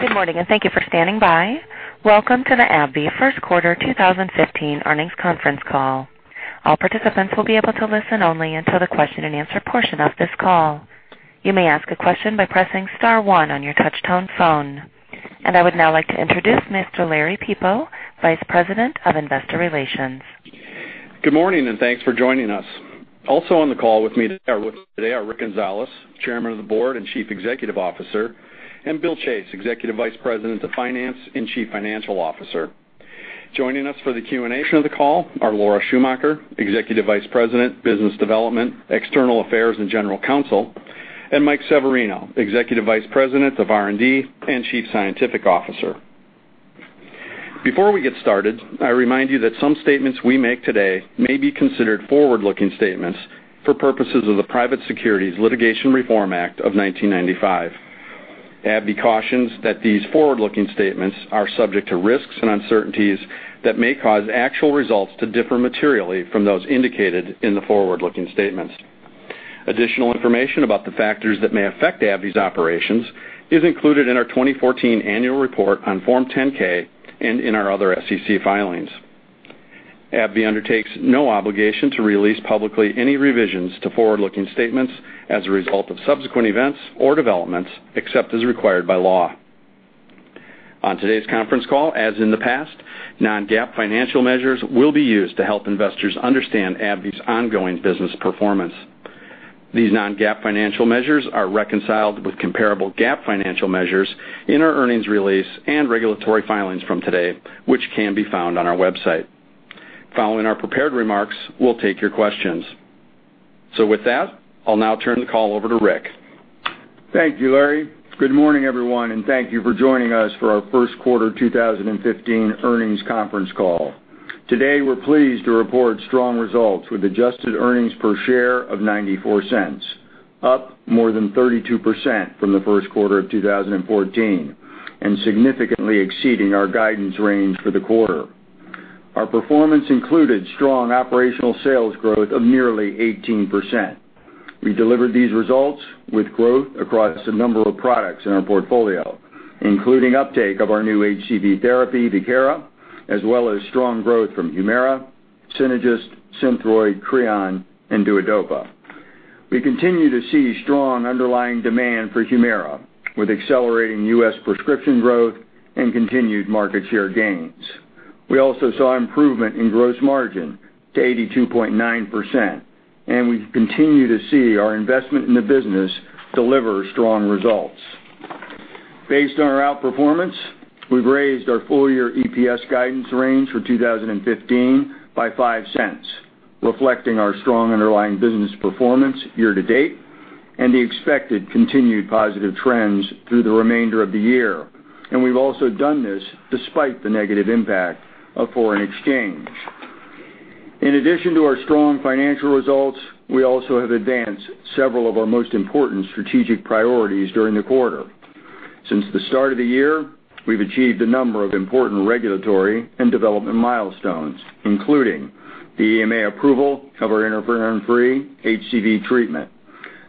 Good morning, and thank you for standing by. Welcome to the AbbVie First Quarter 2015 Earnings Conference Call. All participants will be able to listen only until the question and answer portion of this call. You may ask a question by pressing *1 on your touch-tone phone. I would now like to introduce Mr. Larry Peepo, Vice President of Investor Relations. Good morning, and thanks for joining us. Also on the call with me today are Ric Gonzalez, Chairman of the Board and Chief Executive Officer, and Bill Chase, Executive Vice President of Finance and Chief Financial Officer. Joining us for the Q&A portion of the call are Laura Schumacher, Executive Vice President, Business Development, External Affairs, and General Counsel, and Mike Severino, Executive Vice President of R&D and Chief Scientific Officer. Before we get started, I remind you that some statements we make today may be considered forward-looking statements for purposes of the Private Securities Litigation Reform Act of 1995. AbbVie cautions that these forward-looking statements are subject to risks and uncertainties that may cause actual results to differ materially from those indicated in the forward-looking statements. Additional information about the factors that may affect AbbVie's operations is included in our 2014 annual report on Form 10-K and in our other SEC filings. AbbVie undertakes no obligation to release publicly any revisions to forward-looking statements as a result of subsequent events or developments, except as required by law. On today's conference call, as in the past, non-GAAP financial measures will be used to help investors understand AbbVie's ongoing business performance. These non-GAAP financial measures are reconciled with comparable GAAP financial measures in our earnings release and regulatory filings from today, which can be found on our website. Following our prepared remarks, we'll take your questions. With that, I'll now turn the call over to Rick. Thank you, Larry. Good morning, everyone, and thank you for joining us for our first quarter 2015 earnings conference call. Today, we're pleased to report strong results with adjusted earnings per share of $0.94, up more than 32% from the first quarter of 2014, and significantly exceeding our guidance range for the quarter. Our performance included strong operational sales growth of nearly 18%. We delivered these results with growth across a number of products in our portfolio, including uptake of our new HCV therapy, Viekira, as well as strong growth from HUMIRA, Synagis, SYNTHROID, CREON, and DUODOPA. We continue to see strong underlying demand for HUMIRA, with accelerating U.S. prescription growth and continued market share gains. We also saw improvement in gross margin to 82.9%. We continue to see our investment in the business deliver strong results. Based on our outperformance, we've raised our full-year EPS guidance range for 2015 by $0.05, reflecting our strong underlying business performance year to date and the expected continued positive trends through the remainder of the year. We've also done this despite the negative impact of foreign exchange. In addition to our strong financial results, we also have advanced several of our most important strategic priorities during the quarter. Since the start of the year, we've achieved a number of important regulatory and development milestones, including the EMA approval of our interferon-free HCV treatment,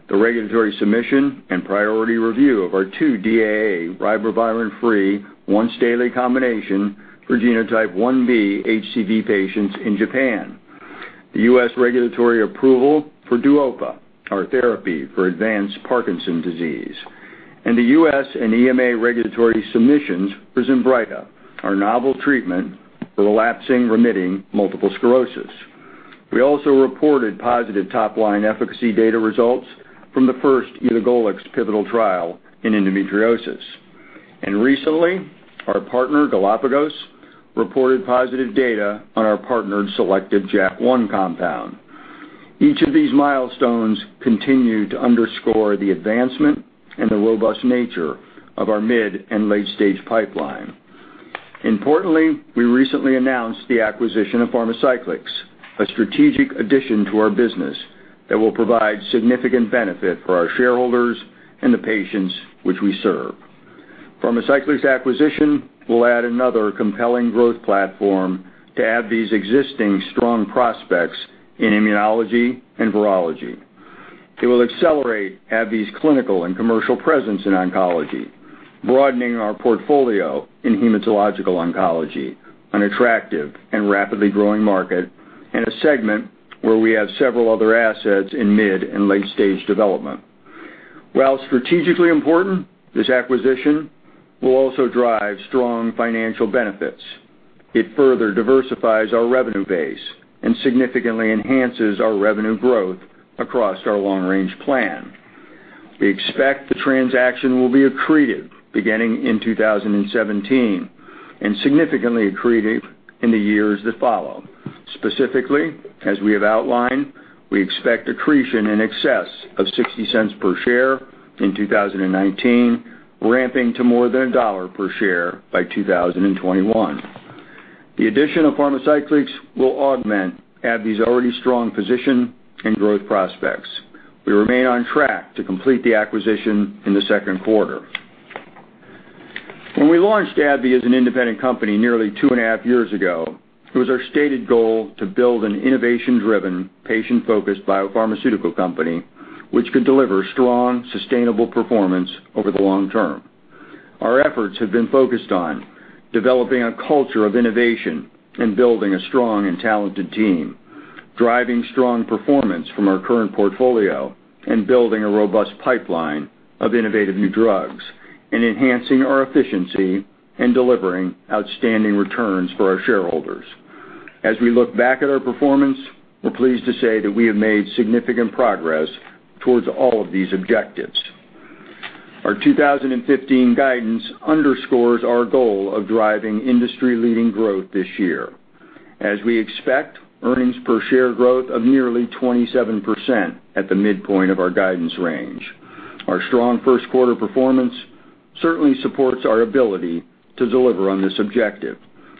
the regulatory submission and priority review of our two DAA ribavirin-free once-daily combination for genotype 1b HCV patients in Japan, the U.S. regulatory approval for DUOPA, our therapy for advanced Parkinson's disease, and the U.S. and EMA regulatory submissions for ZINBRYTA, our novel treatment for relapsing remitting multiple sclerosis. We also reported positive top-line efficacy data results from the first elagolix pivotal trial in endometriosis. Recently, our partner Galapagos reported positive data on our partnered selective JAK1 compound. Each of these milestones continue to underscore the advancement and the robust nature of our mid and late-stage pipeline. Importantly, we recently announced the acquisition of Pharmacyclics, a strategic addition to our business that will provide significant benefit for our shareholders and the patients which we serve. Pharmacyclics acquisition will add another compelling growth platform to AbbVie's existing strong prospects in immunology and virology. It will accelerate AbbVie's clinical and commercial presence in oncology, broadening our portfolio in hematological oncology, an attractive and rapidly growing market in a segment where we have several other assets in mid and late-stage development. While strategically important, this acquisition will also drive strong financial benefits. It further diversifies our revenue base and significantly enhances our revenue growth across our long-range plan. We expect the transaction will be accretive beginning in 2017, and significantly accretive in the years that follow. Specifically, as we have outlined, we expect accretion in excess of $0.60 per share in 2019, ramping to more than $1 per share by 2021. The addition of Pharmacyclics will augment AbbVie's already strong position and growth prospects. We remain on track to complete the acquisition in the second quarter. When we launched AbbVie as an independent company nearly two and a half years ago, it was our stated goal to build an innovation-driven, patient-focused biopharmaceutical company which could deliver strong sustainable performance over the long term. Our efforts have been focused on developing a culture of innovation and building a strong and talented team, driving strong performance from our current portfolio, and building a robust pipeline of innovative new drugs, and enhancing our efficiency and delivering outstanding returns for our shareholders. As we look back at our performance, we're pleased to say that we have made significant progress towards all of these objectives. Our 2015 guidance underscores our goal of driving industry-leading growth this year as we expect earnings per share growth of nearly 27% at the midpoint of our guidance range. Our strong first quarter performance certainly supports our ability to deliver on this objective,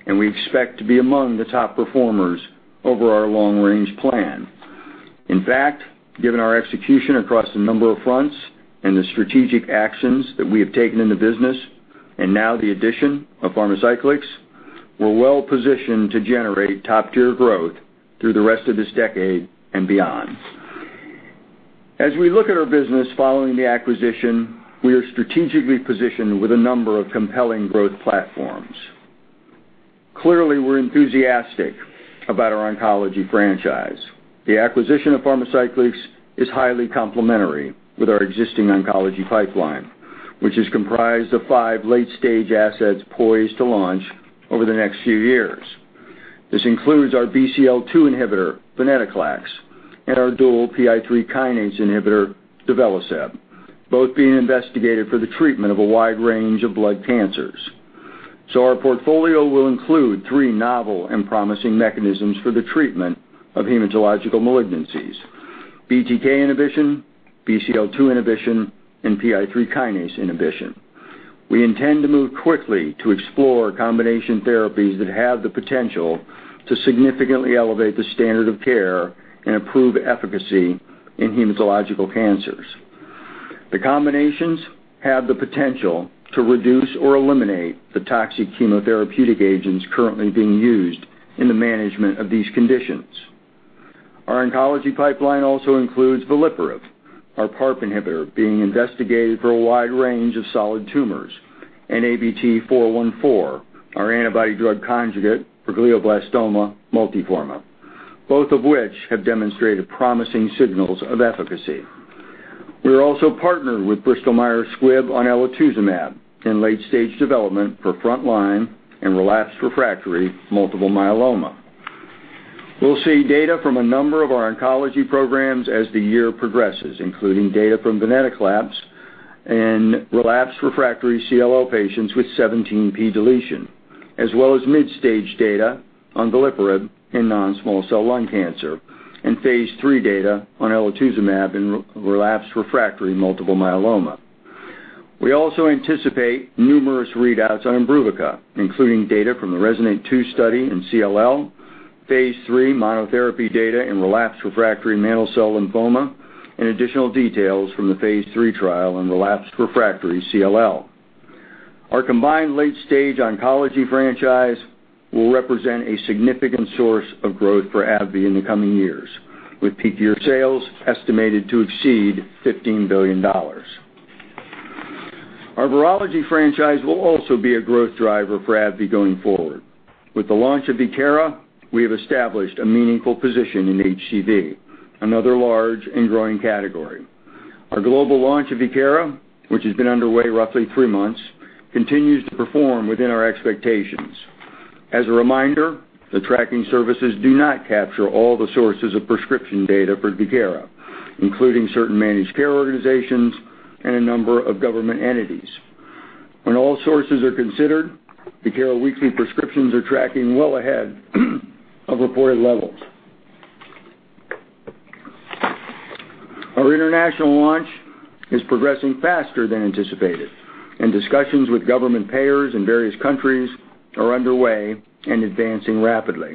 and we expect to be among the top performers over our long-range plan. In fact, given our execution across a number of fronts and the strategic actions that we have taken in the business, and now the addition of Pharmacyclics, we're well positioned to generate top-tier growth through the rest of this decade and beyond. As we look at our business following the acquisition, we are strategically positioned with a number of compelling growth platforms. Clearly, we're enthusiastic about our oncology franchise. The acquisition of Pharmacyclics is highly complementary with our existing oncology pipeline, which is comprised of five late-stage assets poised to launch over the next few years. This includes our BCL-2 inhibitor, venetoclax, and our dual PI3K inhibitor, duvelisib, both being investigated for the treatment of a wide range of blood cancers. Our portfolio will include three novel and promising mechanisms for the treatment of hematological malignancies, BTK inhibition, BCL-2 inhibition, and PI3K inhibition. We intend to move quickly to explore combination therapies that have the potential to significantly elevate the standard of care and improve efficacy in hematological cancers. The combinations have the potential to reduce or eliminate the toxic chemotherapeutic agents currently being used in the management of these conditions. Our oncology pipeline also includes veliparib, our PARP inhibitor, being investigated for a wide range of solid tumors, and ABT-414, our antibody drug conjugate for glioblastoma multiforme, both of which have demonstrated promising signals of efficacy. We are also partnered with Bristol Myers Squibb on elotuzumab in late-stage development for frontline and relapsed refractory multiple myeloma. We'll see data from a number of our oncology programs as the year progresses, including data from venetoclax and relapsed refractory CLL patients with 17p deletion, as well as mid-stage data on veliparib in non-small cell lung cancer, and phase III data on elotuzumab in relapsed refractory multiple myeloma. We also anticipate numerous readouts on IMBRUVICA, including data from the RESONATE-2 study in CLL, phase III monotherapy data in relapsed refractory mantle cell lymphoma, and additional details from the phase III trial in relapsed refractory CLL. Our combined late-stage oncology franchise will represent a significant source of growth for AbbVie in the coming years, with peak-year sales estimated to exceed $15 billion. Our virology franchise will also be a growth driver for AbbVie going forward. With the launch of Viekira, we have established a meaningful position in HCV, another large and growing category. Our global launch of Viekira, which has been underway roughly three months, continues to perform within our expectations. As a reminder, the tracking services do not capture all the sources of prescription data for Viekira, including certain managed care organizations and a number of government entities. When all sources are considered, Viekira weekly prescriptions are tracking well ahead of reported levels. Our international launch is progressing faster than anticipated, and discussions with government payers in various countries are underway and advancing rapidly.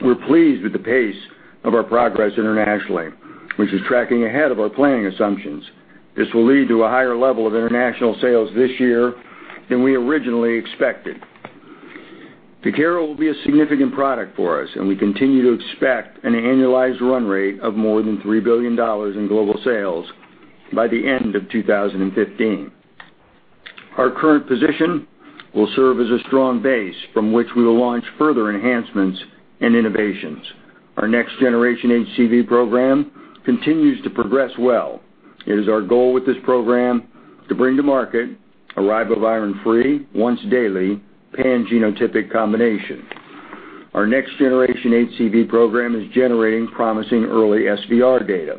We're pleased with the pace of our progress internationally, which is tracking ahead of our planning assumptions. This will lead to a higher level of international sales this year than we originally expected. Viekira will be a significant product for us, and we continue to expect an annualized run rate of more than $3 billion in global sales by the end of 2015. Our current position will serve as a strong base from which we will launch further enhancements and innovations. Our next-generation HCV program continues to progress well. It is our goal with this program to bring to market a ribavirin-free, once-daily, pan-genotypic combination. Our next-generation HCV program is generating promising early SVR data.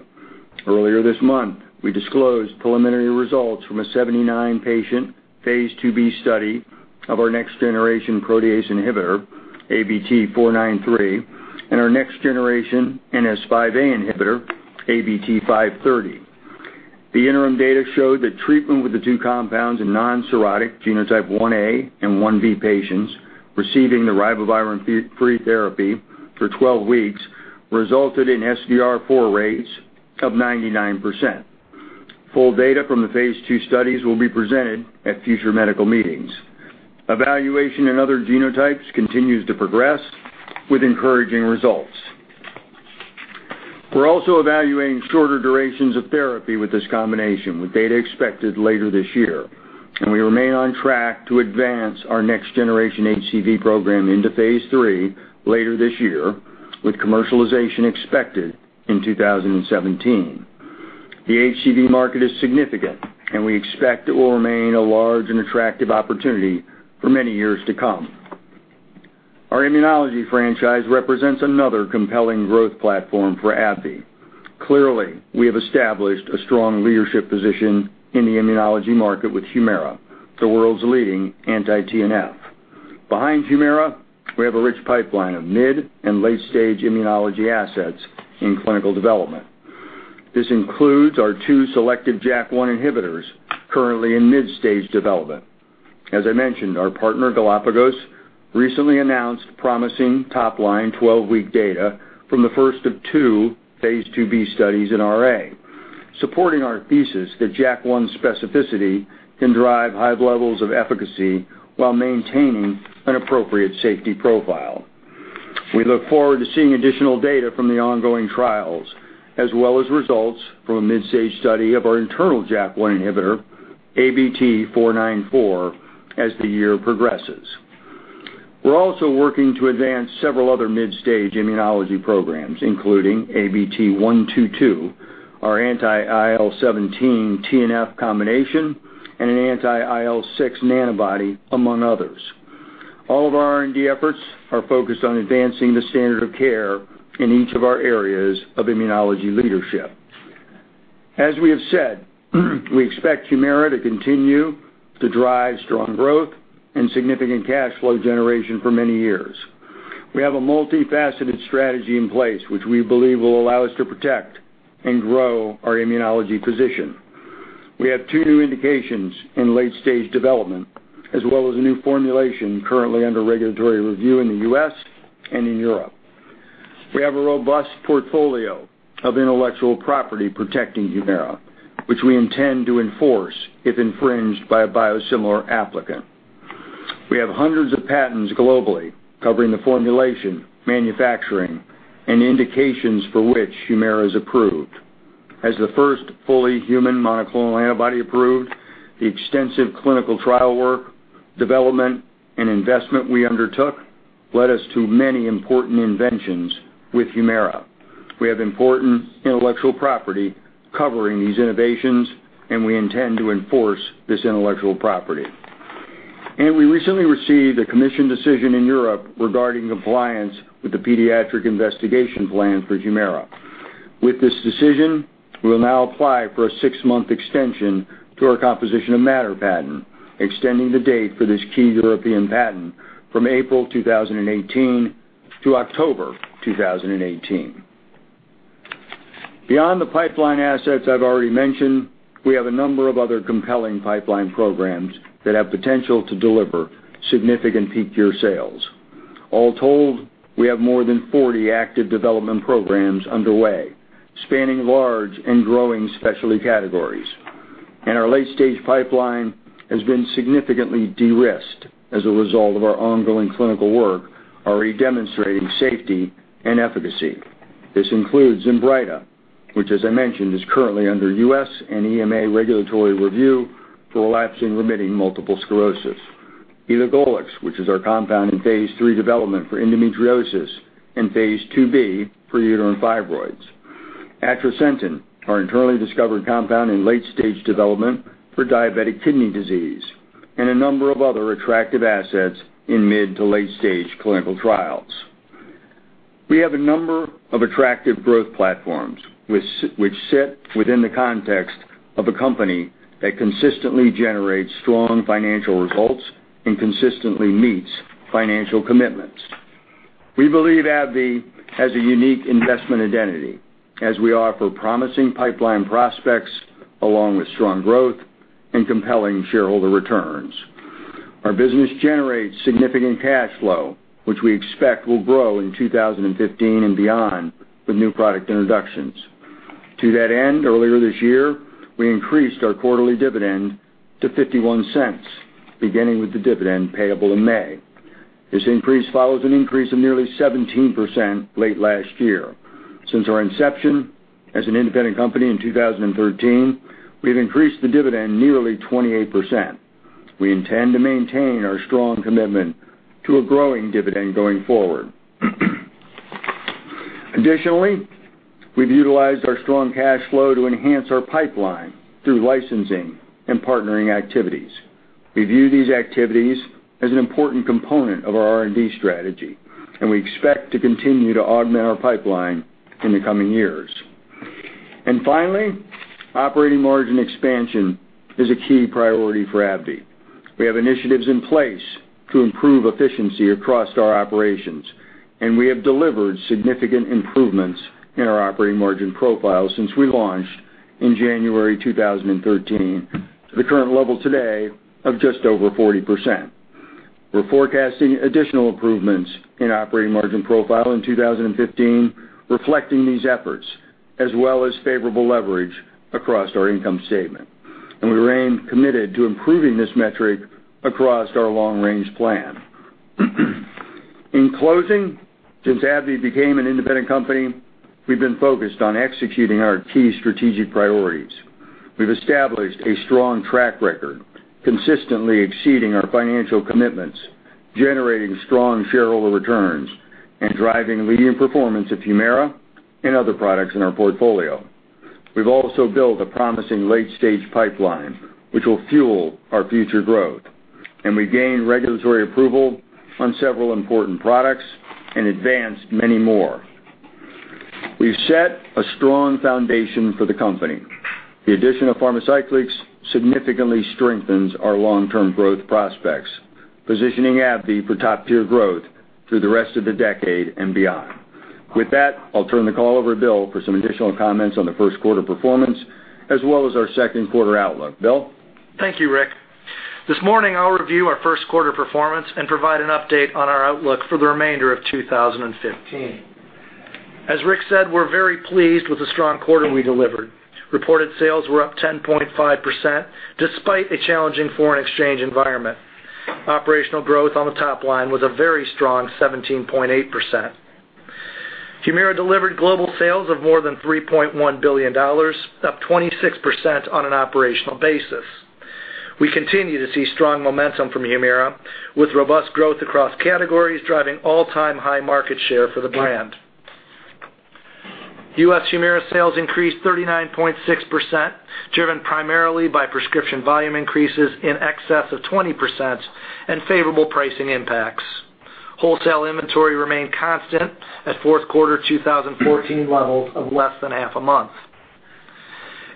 Earlier this month, we disclosed preliminary results from a 79-patient, phase IIb study of our next-generation protease inhibitor, ABT-493, and our next-generation NS5A inhibitor, ABT-530. The interim data showed that treatment with the two compounds in non-cirrhotic genotype 1a and 1b patients receiving the ribavirin-free therapy for 12 weeks resulted in SVR4 rates of 99%. Full data from the phase II studies will be presented at future medical meetings. Evaluation in other genotypes continues to progress with encouraging results. We are also evaluating shorter durations of therapy with this combination, with data expected later this year. We remain on track to advance our next generation HCV program into phase III later this year, with commercialization expected in 2017. The HCV market is significant and we expect it will remain a large and attractive opportunity for many years to come. Our immunology franchise represents another compelling growth platform for AbbVie. Clearly, we have established a strong leadership position in the immunology market with HUMIRA, the world's leading anti-TNF. Behind HUMIRA, we have a rich pipeline of mid and late-stage immunology assets in clinical development. This includes our two selected JAK1 inhibitors currently in mid-stage development. As I mentioned, our partner, Galapagos, recently announced promising top line 12-week data from the first of two phase IIb studies in RA, supporting our thesis that JAK1 specificity can drive high levels of efficacy while maintaining an appropriate safety profile. We look forward to seeing additional data from the ongoing trials, as well as results from a mid-stage study of our internal JAK1 inhibitor, ABT-494, as the year progresses. We are also working to advance several other mid-stage immunology programs, including ABT-122, our anti-IL-17 TNF combination, and an anti-IL-6 nanobody, among others. All of our R&D efforts are focused on advancing the standard of care in each of our areas of immunology leadership. As we have said, we expect HUMIRA to continue to drive strong growth and significant cash flow generation for many years. We have a multifaceted strategy in place which we believe will allow us to protect and grow our immunology position. We have two new indications in late-stage development, as well as a new formulation currently under regulatory review in the U.S. and in Europe. We have a robust portfolio of intellectual property protecting HUMIRA, which we intend to enforce if infringed by a biosimilar applicant. We have hundreds of patents globally covering the formulation, manufacturing, and indications for which HUMIRA is approved. As the first fully human monoclonal antibody approved, the extensive clinical trial work, development, and investment we undertook led us to many important inventions with HUMIRA. We have important intellectual property covering these innovations, and we intend to enforce this intellectual property. We recently received a commission decision in Europe regarding compliance with the pediatric investigation plan for HUMIRA. With this decision, we will now apply for a six-month extension to our composition of matter patent, extending the date for this key European patent from April 2018 to October 2018. Beyond the pipeline assets I've already mentioned, we have a number of other compelling pipeline programs that have potential to deliver significant peak year sales. All told, we have more than 40 active development programs underway, spanning large and growing specialty categories. Our late-stage pipeline has been significantly de-risked as a result of our ongoing clinical work already demonstrating safety and efficacy. This includes ZINBRYTA, which as I mentioned, is currently under U.S. and EMA regulatory review for relapsing remitting multiple sclerosis. elagolix, which is our compound in phase III development for endometriosis, and phase II-B for uterine fibroids. atrasentan, our internally discovered compound in late-stage development for diabetic kidney disease, and a number of other attractive assets in mid- to late-stage clinical trials. We have a number of attractive growth platforms which sit within the context of a company that consistently generates strong financial results and consistently meets financial commitments. We believe AbbVie has a unique investment identity as we offer promising pipeline prospects along with strong growth and compelling shareholder returns. Our business generates significant cash flow, which we expect will grow in 2015 and beyond with new product introductions. To that end, earlier this year, we increased our quarterly dividend to $0.51, beginning with the dividend payable in May. This increase follows an increase of nearly 17% late last year. Since our inception as an independent company in 2013, we've increased the dividend nearly 28%. We intend to maintain our strong commitment to a growing dividend going forward. Additionally, we've utilized our strong cash flow to enhance our pipeline through licensing and partnering activities. We view these activities as an important component of our R&D strategy, and we expect to continue to augment our pipeline in the coming years. Finally, operating margin expansion is a key priority for AbbVie. We have initiatives in place to improve efficiency across our operations, and we have delivered significant improvements in our operating margin profile since we launched in January 2013 to the current level today of just over 40%. We're forecasting additional improvements in operating margin profile in 2015, reflecting these efforts, as well as favorable leverage across our income statement. We remain committed to improving this metric across our long-range plan. In closing, since AbbVie became an independent company, we've been focused on executing our key strategic priorities. We've established a strong track record, consistently exceeding our financial commitments, generating strong shareholder returns, and driving leading performance of HUMIRA and other products in our portfolio. We've also built a promising late-stage pipeline which will fuel our future growth, and we gained regulatory approval on several important products and advanced many more. We've set a strong foundation for the company. The addition of Pharmacyclics significantly strengthens our long-term growth prospects, positioning AbbVie for top-tier growth through the rest of the decade and beyond. With that, I'll turn the call over to Bill for some additional comments on the first quarter performance as well as our second quarter outlook. Bill? Thank you, Rick. This morning, I'll review our first quarter performance and provide an update on our outlook for the remainder of 2015. As Ric said, we're very pleased with the strong quarter we delivered. Reported sales were up 10.5% despite a challenging foreign exchange environment. Operational growth on the top line was a very strong 17.8%. HUMIRA delivered global sales of more than $3.1 billion, up 26% on an operational basis. We continue to see strong momentum from HUMIRA, with robust growth across categories driving all-time high market share for the brand. U.S. HUMIRA sales increased 39.6%, driven primarily by prescription volume increases in excess of 20% and favorable pricing impacts. Wholesale inventory remained constant at fourth quarter 2014 levels of less than half a month.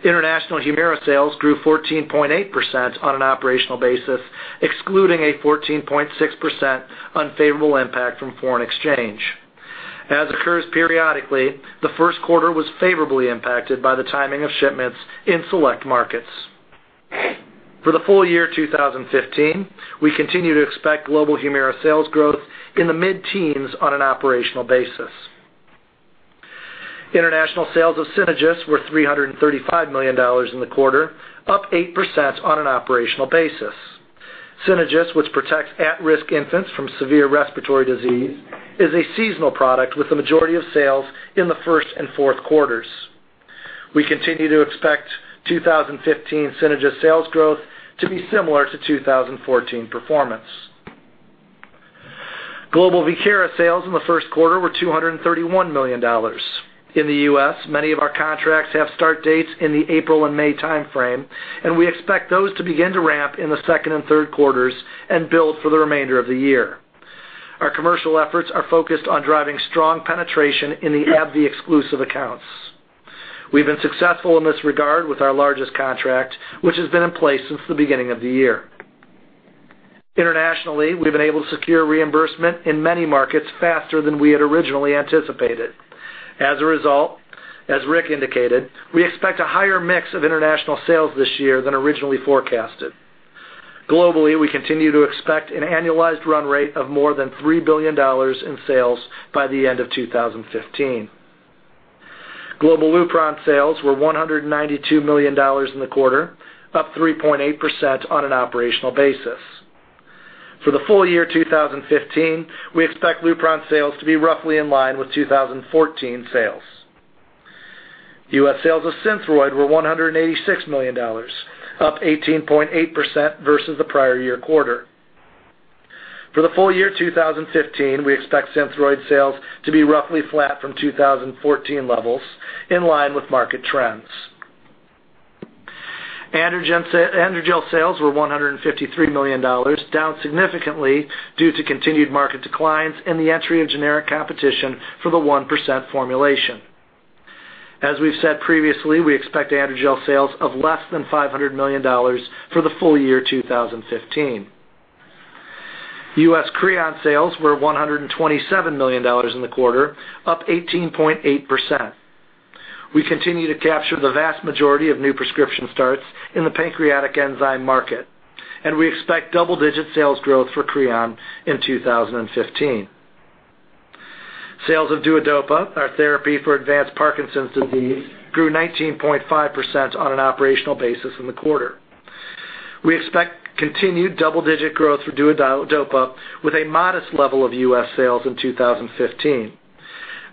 International HUMIRA sales grew 14.8% on an operational basis, excluding a 14.6% unfavorable impact from foreign exchange. As occurs periodically, the first quarter was favorably impacted by the timing of shipments in select markets. For the full year 2015, we continue to expect global HUMIRA sales growth in the mid-teens on an operational basis. International sales of Synagis were $335 million in the quarter, up 8% on an operational basis. Synagis, which protects at-risk infants from severe respiratory disease, is a seasonal product with the majority of sales in the first and fourth quarters. We continue to expect 2015 Synagis sales growth to be similar to 2014 performance. Global Viekira sales in the first quarter were $231 million. In the U.S., many of our contracts have start dates in the April and May timeframe, and we expect those to begin to ramp in the second and third quarters and build for the remainder of the year. Our commercial efforts are focused on driving strong penetration in the AbbVie exclusive accounts. We've been successful in this regard with our largest contract, which has been in place since the beginning of the year. Internationally, we've been able to secure reimbursement in many markets faster than we had originally anticipated. As a result, as Ric indicated, we expect a higher mix of international sales this year than originally forecasted. Globally, we continue to expect an annualized run rate of more than $3 billion in sales by the end of 2015. Global LUPRON sales were $192 million in the quarter, up 3.8% on an operational basis. For the full year 2015, we expect LUPRON sales to be roughly in line with 2014 sales. U.S. sales of SYNTHROID were $186 million, up 18.8% versus the prior year quarter. For the full year 2015, we expect SYNTHROID sales to be roughly flat from 2014 levels, in line with market trends. ANDROGEL sales were $153 million, down significantly due to continued market declines and the entry of generic competition for the 1% formulation. As we've said previously, we expect ANDROGEL sales of less than $500 million for the full year 2015. U.S. CREON sales were $127 million in the quarter, up 18.8%. We continue to capture the vast majority of new prescription starts in the pancreatic enzyme market, and we expect double-digit sales growth for CREON in 2015. Sales of DUODOPA, our therapy for advanced Parkinson's disease, grew 19.5% on an operational basis in the quarter. We expect continued double-digit growth for DUODOPA with a modest level of U.S. sales in 2015.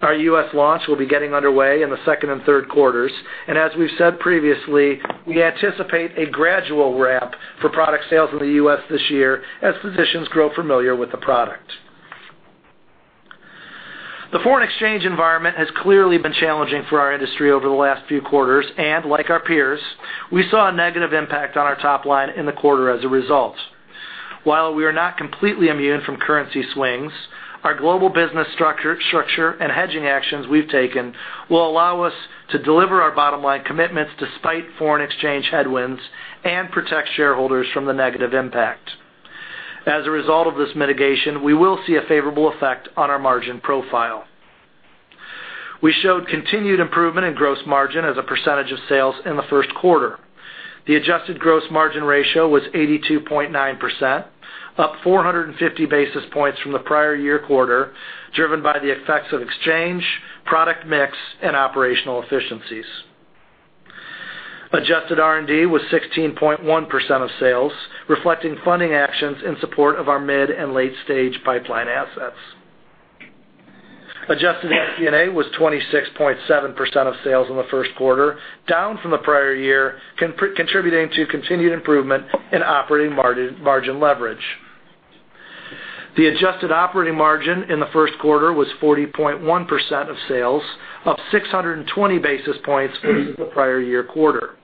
Our U.S. launch will be getting underway in the second and third quarters. As we've said previously, we anticipate a gradual ramp for product sales in the U.S. this year as physicians grow familiar with the product. The foreign exchange environment has clearly been challenging for our industry over the last few quarters, and like our peers, we saw a negative impact on our top-line in the quarter as a result. While we are not completely immune from currency swings, our global business structure and hedging actions we've taken will allow us to deliver our bottom-line commitments despite foreign exchange headwinds and protect shareholders from the negative impact. As a result of this mitigation, we will see a favorable effect on our margin profile. We showed continued improvement in gross margin as a percentage of sales in the first quarter. The adjusted gross margin ratio was 82.9%, up 450 basis points from the prior year quarter, driven by the effects of exchange, product mix, and operational efficiencies. Adjusted R&D was 16.1% of sales, reflecting funding actions in support of our mid and late-stage pipeline assets. Adjusted SG&A was 26.7% of sales in the first quarter, down from the prior year, contributing to continued improvement in operating margin leverage. The adjusted operating margin in the first quarter was 40.1% of sales, up 620 basis points versus the prior year quarter.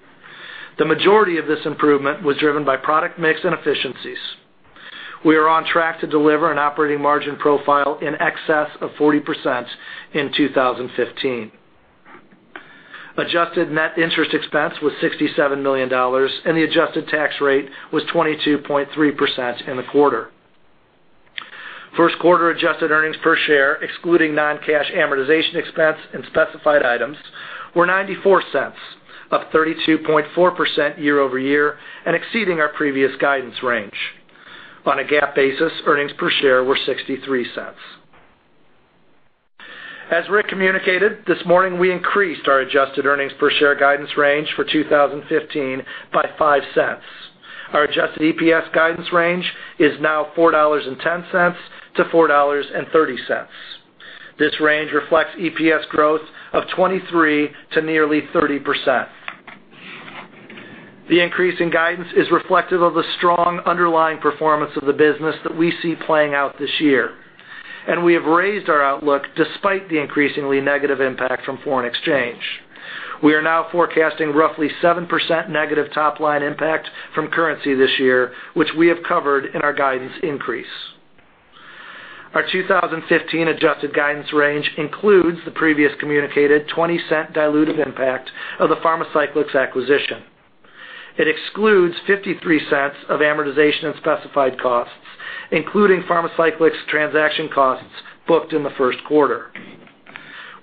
The majority of this improvement was driven by product mix and efficiencies. We are on track to deliver an operating margin profile in excess of 40% in 2015. Adjusted net interest expense was $67 million, and the adjusted tax rate was 22.3% in the quarter. First quarter adjusted earnings per share, excluding non-cash amortization expense and specified items, were $0.94, up 32.4% year-over-year and exceeding our previous guidance range. On a GAAP basis, earnings per share were $0.63. As Ric communicated, this morning we increased our adjusted earnings per share guidance range for 2015 by $0.05. Our adjusted EPS guidance range is now $4.10 to $4.30. This range reflects EPS growth of 23%-nearly 30%. The increase in guidance is reflective of the strong underlying performance of the business that we see playing out this year, and we have raised our outlook despite the increasingly negative impact from foreign exchange. We are now forecasting roughly 7% negative top-line impact from currency this year, which we have covered in our guidance increase. Our 2015 adjusted guidance range includes the previous communicated $0.20 diluted impact of the Pharmacyclics acquisition. It excludes $0.53 of amortization of specified costs, including Pharmacyclics transaction costs booked in the first quarter.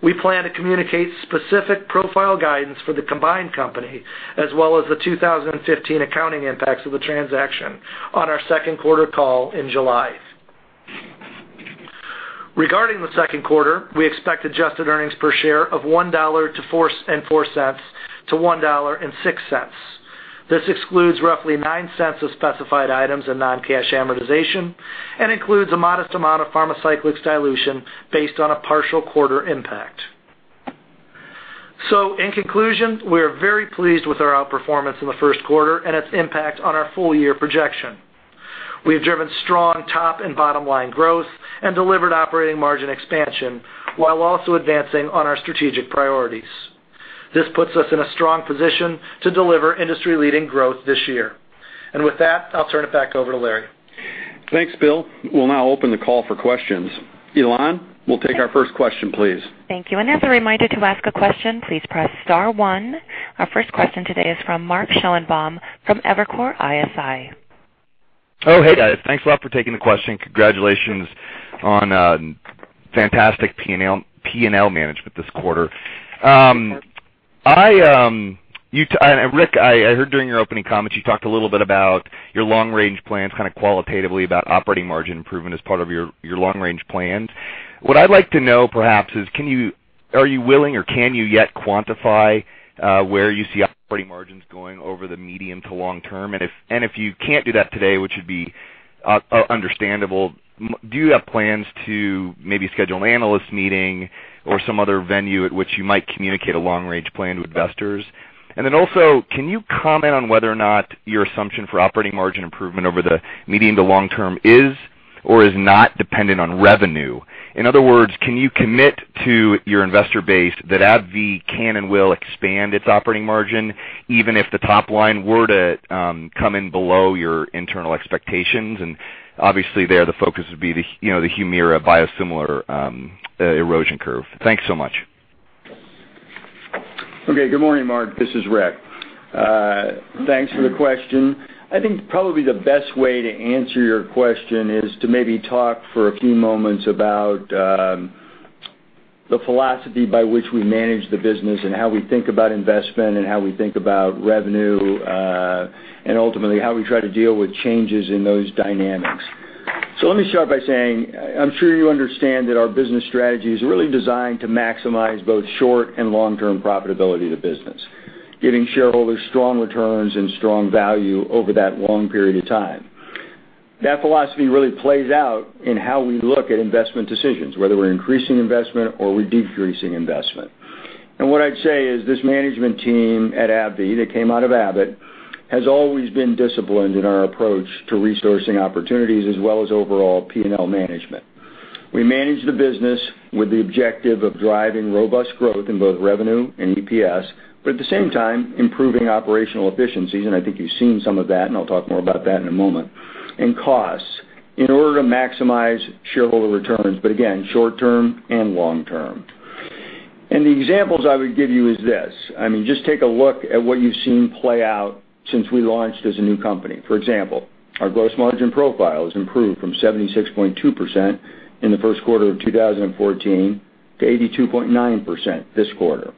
We plan to communicate specific profile guidance for the combined company, as well as the 2015 accounting impacts of the transaction on our second quarter call in July. Regarding the second quarter, we expect adjusted earnings per share of $1.04 to $1.06. This excludes roughly $0.09 of specified items and non-cash amortization and includes a modest amount of Pharmacyclics dilution based on a partial quarter impact. In conclusion, we are very pleased with our outperformance in the first quarter and its impact on our full-year projection. We have driven strong top- and bottom-line growth and delivered operating margin expansion while also advancing on our strategic priorities. This puts us in a strong position to deliver industry-leading growth this year. And with that, I'll turn it back over to Larry. Thanks, Bill. We'll now open the call for questions. Elan, we'll take our first question, please. Thank you. As a reminder, to ask a question, please press star 1. Our first question today is from Mark Schoenebaum from Evercore ISI. Oh, hey, guys. Thanks a lot for taking the question. Congratulations on fantastic P&L management this quarter. Rick, I heard during your opening comments you talked a little bit about your long-range plans, kind of qualitatively about operating margin improvement as part of your long-range plans. What I'd like to know perhaps is, are you willing or can you yet quantify where you see operating margins going over the medium to long term? If you can't do that today, which would be understandable, do you have plans to maybe schedule an analyst meeting or some other venue at which you might communicate a long-range plan to investors? Then also, can you comment on whether or not your assumption for operating margin improvement over the medium to long term is or is not dependent on revenue? In other words, can you commit to your investor base that AbbVie can and will expand its operating margin even if the top line were to come in below your internal expectations? Obviously there the focus would be the HUMIRA biosimilar erosion curve. Thanks so much. Okay. Good morning, Mark. This is Rick. Thanks for the question. I think probably the best way to answer your question is to maybe talk for a few moments about the philosophy by which we manage the business and how we think about investment, and how we think about revenue, and ultimately, how we try to deal with changes in those dynamics. Let me start by saying, I'm sure you understand that our business strategy is really designed to maximize both short and long-term profitability of the business, giving shareholders strong returns and strong value over that long period of time. That philosophy really plays out in how we look at investment decisions, whether we're increasing investment or we're decreasing investment. What I'd say is this management team at AbbVie that came out of Abbott has always been disciplined in our approach to resourcing opportunities as well as overall P&L management. We manage the business with the objective of driving robust growth in both revenue and EPS, but at the same time, improving operational efficiencies, and I think you've seen some of that, and I'll talk more about that in a moment, and costs in order to maximize shareholder returns, but again, short-term and long-term. The examples I would give you is this, just take a look at what you've seen play out since we launched as a new company. For example, our gross margin profile has improved from 76.2% in the first quarter of 2014 to 82.9% this quarter.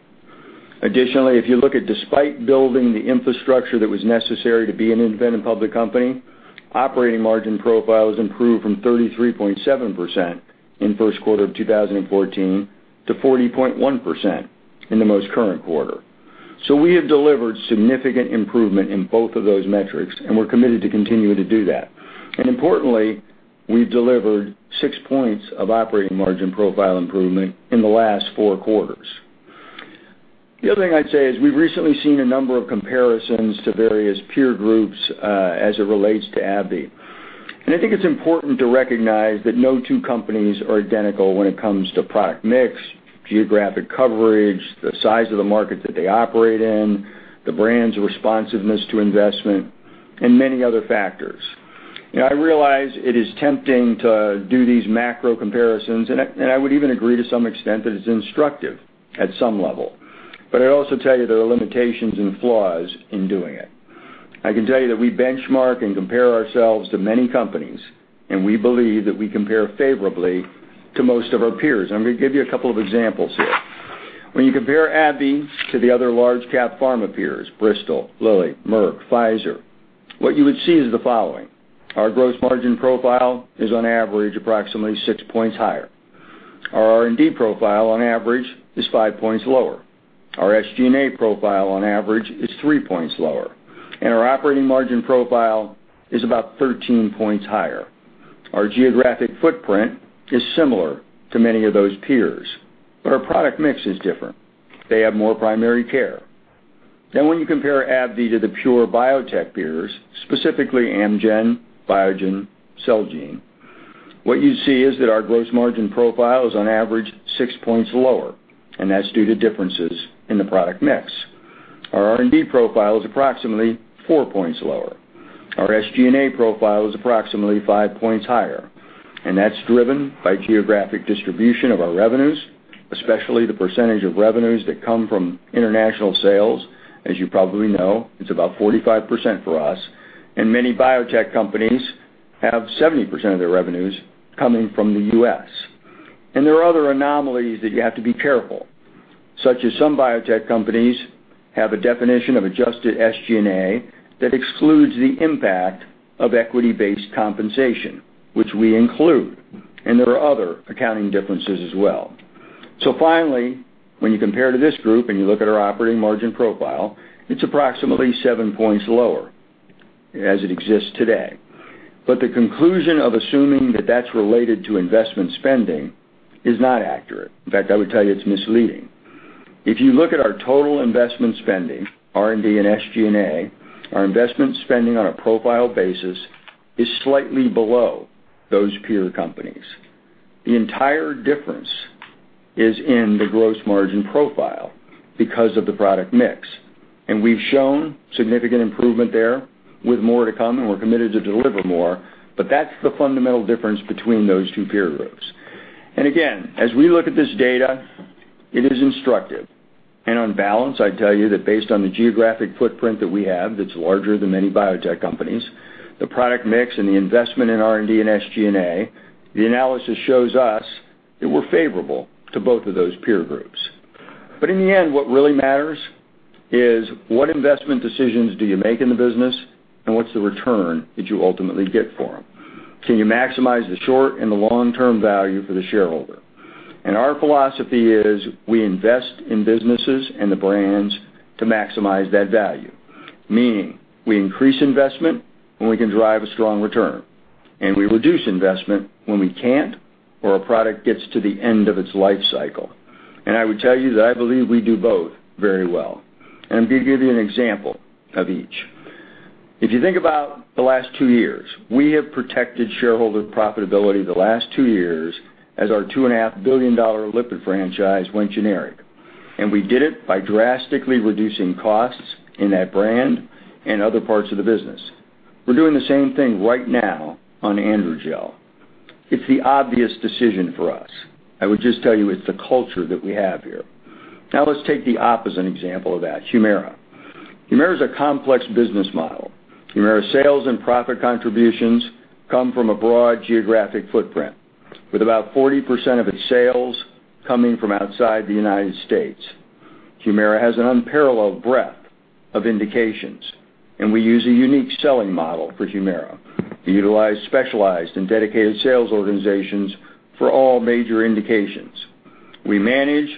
Additionally, if you look at despite building the infrastructure that was necessary to be an independent public company, operating margin profile has improved from 33.7% in the first quarter of 2014 to 40.1% in the most current quarter. We have delivered significant improvement in both of those metrics, and we're committed to continuing to do that. Importantly, we've delivered six points of operating margin profile improvement in the last four quarters. The other thing I'd say is we've recently seen a number of comparisons to various peer groups as it relates to AbbVie. I think it's important to recognize that no two companies are identical when it comes to product mix, geographic coverage, the size of the market that they operate in, the brand's responsiveness to investment, and many other factors. I realize it is tempting to do these macro comparisons, and I would even agree to some extent that it's instructive at some level. I'd also tell you there are limitations and flaws in doing it. I can tell you that we benchmark and compare ourselves to many companies, and we believe that we compare favorably to most of our peers. I'm going to give you a couple of examples here. When you compare AbbVie to the other large cap pharma peers, Bristol, Lilly, Merck, Pfizer, what you would see is the following. Our gross margin profile is on average approximately six points higher. Our R&D profile on average is five points lower. Our SG&A profile on average is three points lower. Our operating margin profile is about 13 points higher. Our geographic footprint is similar to many of those peers, but our product mix is different. They have more primary care. When you compare AbbVie to the pure biotech peers, specifically Amgen, Biogen, Celgene, what you see is that our gross margin profile is on average six points lower, and that's due to differences in the product mix. Our R&D profile is approximately four points lower. Our SG&A profile is approximately five points higher, and that's driven by geographic distribution of our revenues, especially the percentage of revenues that come from international sales. As you probably know, it's about 45% for us, and many biotech companies have 70% of their revenues coming from the U.S. There are other anomalies that you have to be careful, such as some biotech companies have a definition of adjusted SG&A that excludes the impact of equity-based compensation, which we include. There are other accounting differences as well. Finally, when you compare to this group and you look at our operating margin profile, it's approximately seven points lower as it exists today. The conclusion of assuming that that's related to investment spending is not accurate. In fact, I would tell you it's misleading. If you look at our total investment spending, R&D and SG&A, our investment spending on a profile basis is slightly below those peer companies. The entire difference is in the gross margin profile because of the product mix. We've shown significant improvement there with more to come, and we're committed to deliver more, but that's the fundamental difference between those two peer groups. Again, as we look at this data, it is instructive. On balance, I'd tell you that based on the geographic footprint that we have that's larger than many biotech companies, the product mix and the investment in R&D and SG&A, the analysis shows us that we're favorable to both of those peer groups. In the end, what really matters is what investment decisions do you make in the business, and what's the return that you ultimately get for them? Can you maximize the short and the long-term value for the shareholder? Our philosophy is we invest in businesses and the brands to maximize that value, meaning we increase investment when we can drive a strong return, and we reduce investment when we can't or a product gets to the end of its life cycle. I would tell you that I believe we do both very well. Let me give you an example of each. If you think about the last two years, we have protected shareholder profitability the last two years as our $2.5 billion lipid franchise went generic. We did it by drastically reducing costs in that brand and other parts of the business. We're doing the same thing right now on AndroGel. It's the obvious decision for us. I would just tell you it's the culture that we have here. Now let's take the opposite example of that, HUMIRA. HUMIRA is a complex business model. HUMIRA sales and profit contributions come from a broad geographic footprint with about 40% of its sales coming from outside the United States. HUMIRA has an unparalleled breadth of indications, and we use a unique selling model for HUMIRA. We utilize specialized and dedicated sales organizations for all major indications. We manage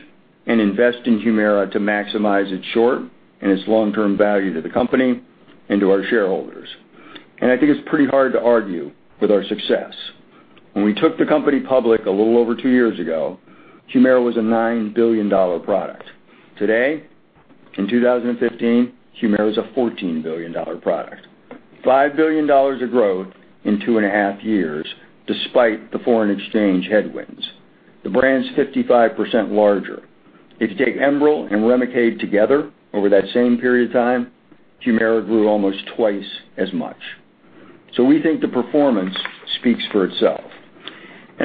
and invest in HUMIRA to maximize its short and its long-term value to the company and to our shareholders. I think it's pretty hard to argue with our success. When we took the company public a little over two years ago, HUMIRA was a $9 billion product. Today, in 2015, HUMIRA is a $14 billion product. $5 billion of growth in two and a half years, despite the foreign exchange headwinds. The brand's 55% larger. If you take ENBREL and REMICADE together over that same period of time, HUMIRA grew almost twice as much. We think the performance speaks for itself.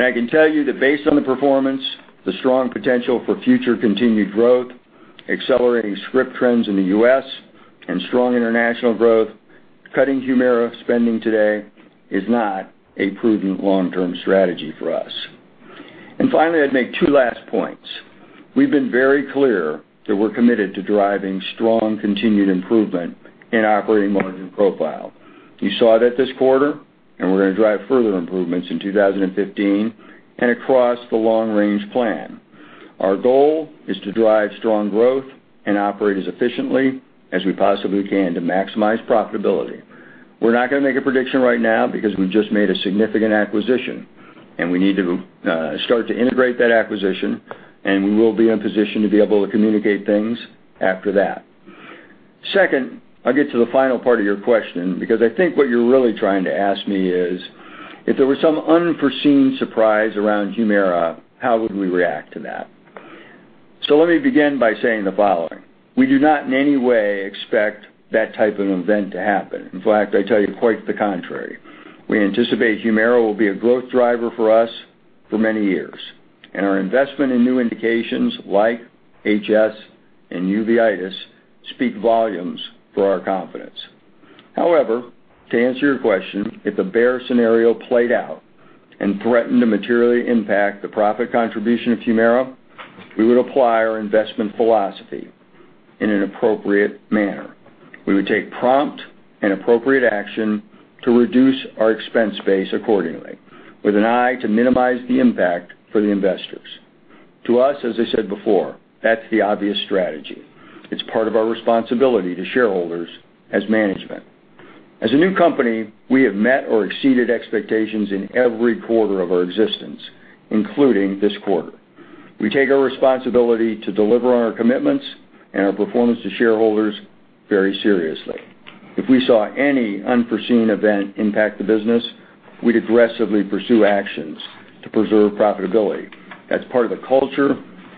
I can tell you that based on the performance, the strong potential for future continued growth, accelerating script trends in the U.S., and strong international growth, cutting HUMIRA spending today is not a prudent long-term strategy for us. Finally, I'd make two last points. We've been very clear that we're committed to driving strong continued improvement in operating margin profile. You saw that this quarter, and we're going to drive further improvements in 2015 and across the long-range plan. Our goal is to drive strong growth and operate as efficiently as we possibly can to maximize profitability. We're not going to make a prediction right now because we just made a significant acquisition, and we need to start to integrate that acquisition, and we will be in position to be able to communicate things after that. Second, I'll get to the final part of your question because I think what you're really trying to ask me is, if there was some unforeseen surprise around HUMIRA, how would we react to that? Let me begin by saying the following. We do not in any way expect that type of event to happen. In fact, I tell you quite the contrary. We anticipate HUMIRA will be a growth driver for us for many years, and our investment in new indications like HS and uveitis speak volumes for our confidence. However, to answer your question, if the bear scenario played out and threatened to materially impact the profit contribution of HUMIRA, we would apply our investment philosophy in an appropriate manner. We would take prompt and appropriate action to reduce our expense base accordingly with an eye to minimize the impact for the investors. To us, as I said before, that's the obvious strategy. It's part of our responsibility to shareholders as management. As a new company, we have met or exceeded expectations in every quarter of our existence, including this quarter. We take our responsibility to deliver on our commitments and our performance to shareholders very seriously. If we saw any unforeseen event impact the business, we'd aggressively pursue actions to preserve profitability. That's part of the culture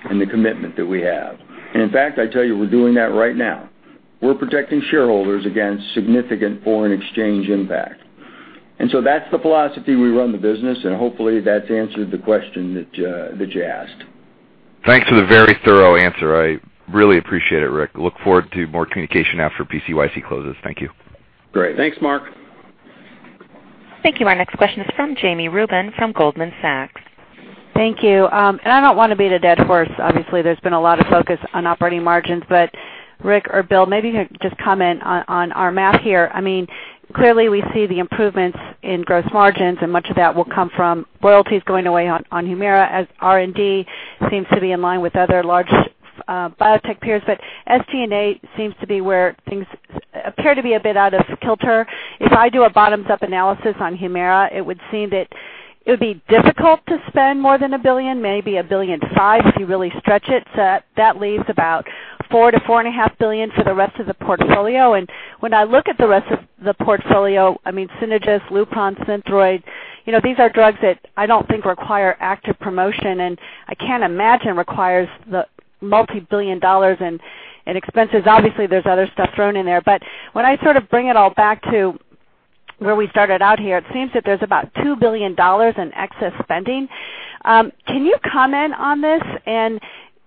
and the commitment that we have. In fact, I tell you, we're doing that right now. We're protecting shareholders against significant foreign exchange impact. That's the philosophy we run the business, and hopefully, that's answered the question that you asked. Thanks for the very thorough answer. I really appreciate it, Rick. Look forward to more communication after PCYC closes. Thank you. Great. Thanks, Mark. Thank you. Our next question is from Jami Rubin from Goldman Sachs. Thank you. I don't want to beat a dead horse. Obviously, there's been a lot of focus on operating margins. Ric or Bill, maybe just comment on our math here. Clearly, we see the improvements in gross margins, and much of that will come from royalties going away on HUMIRA as R&D seems to be in line with other large biotech peers. SG&A seems to be where things appear to be a bit out of kilter. If I do a bottoms-up analysis on HUMIRA, it would seem that it would be difficult to spend more than $1 billion, maybe $1.5 billion if you really stretch it. That leaves about $4 billion-$4.5 billion for the rest of the portfolio. When I look at the rest of the portfolio, Synagis, LUPRON, SYNTHROID, these are drugs that I don't think require active promotion and I can't imagine requires the multi-billion dollars in expenses. Obviously, there's other stuff thrown in there. But when I sort of bring it all back to where we started out here, it seems that there's about $2 billion in excess spending. Can you comment on this?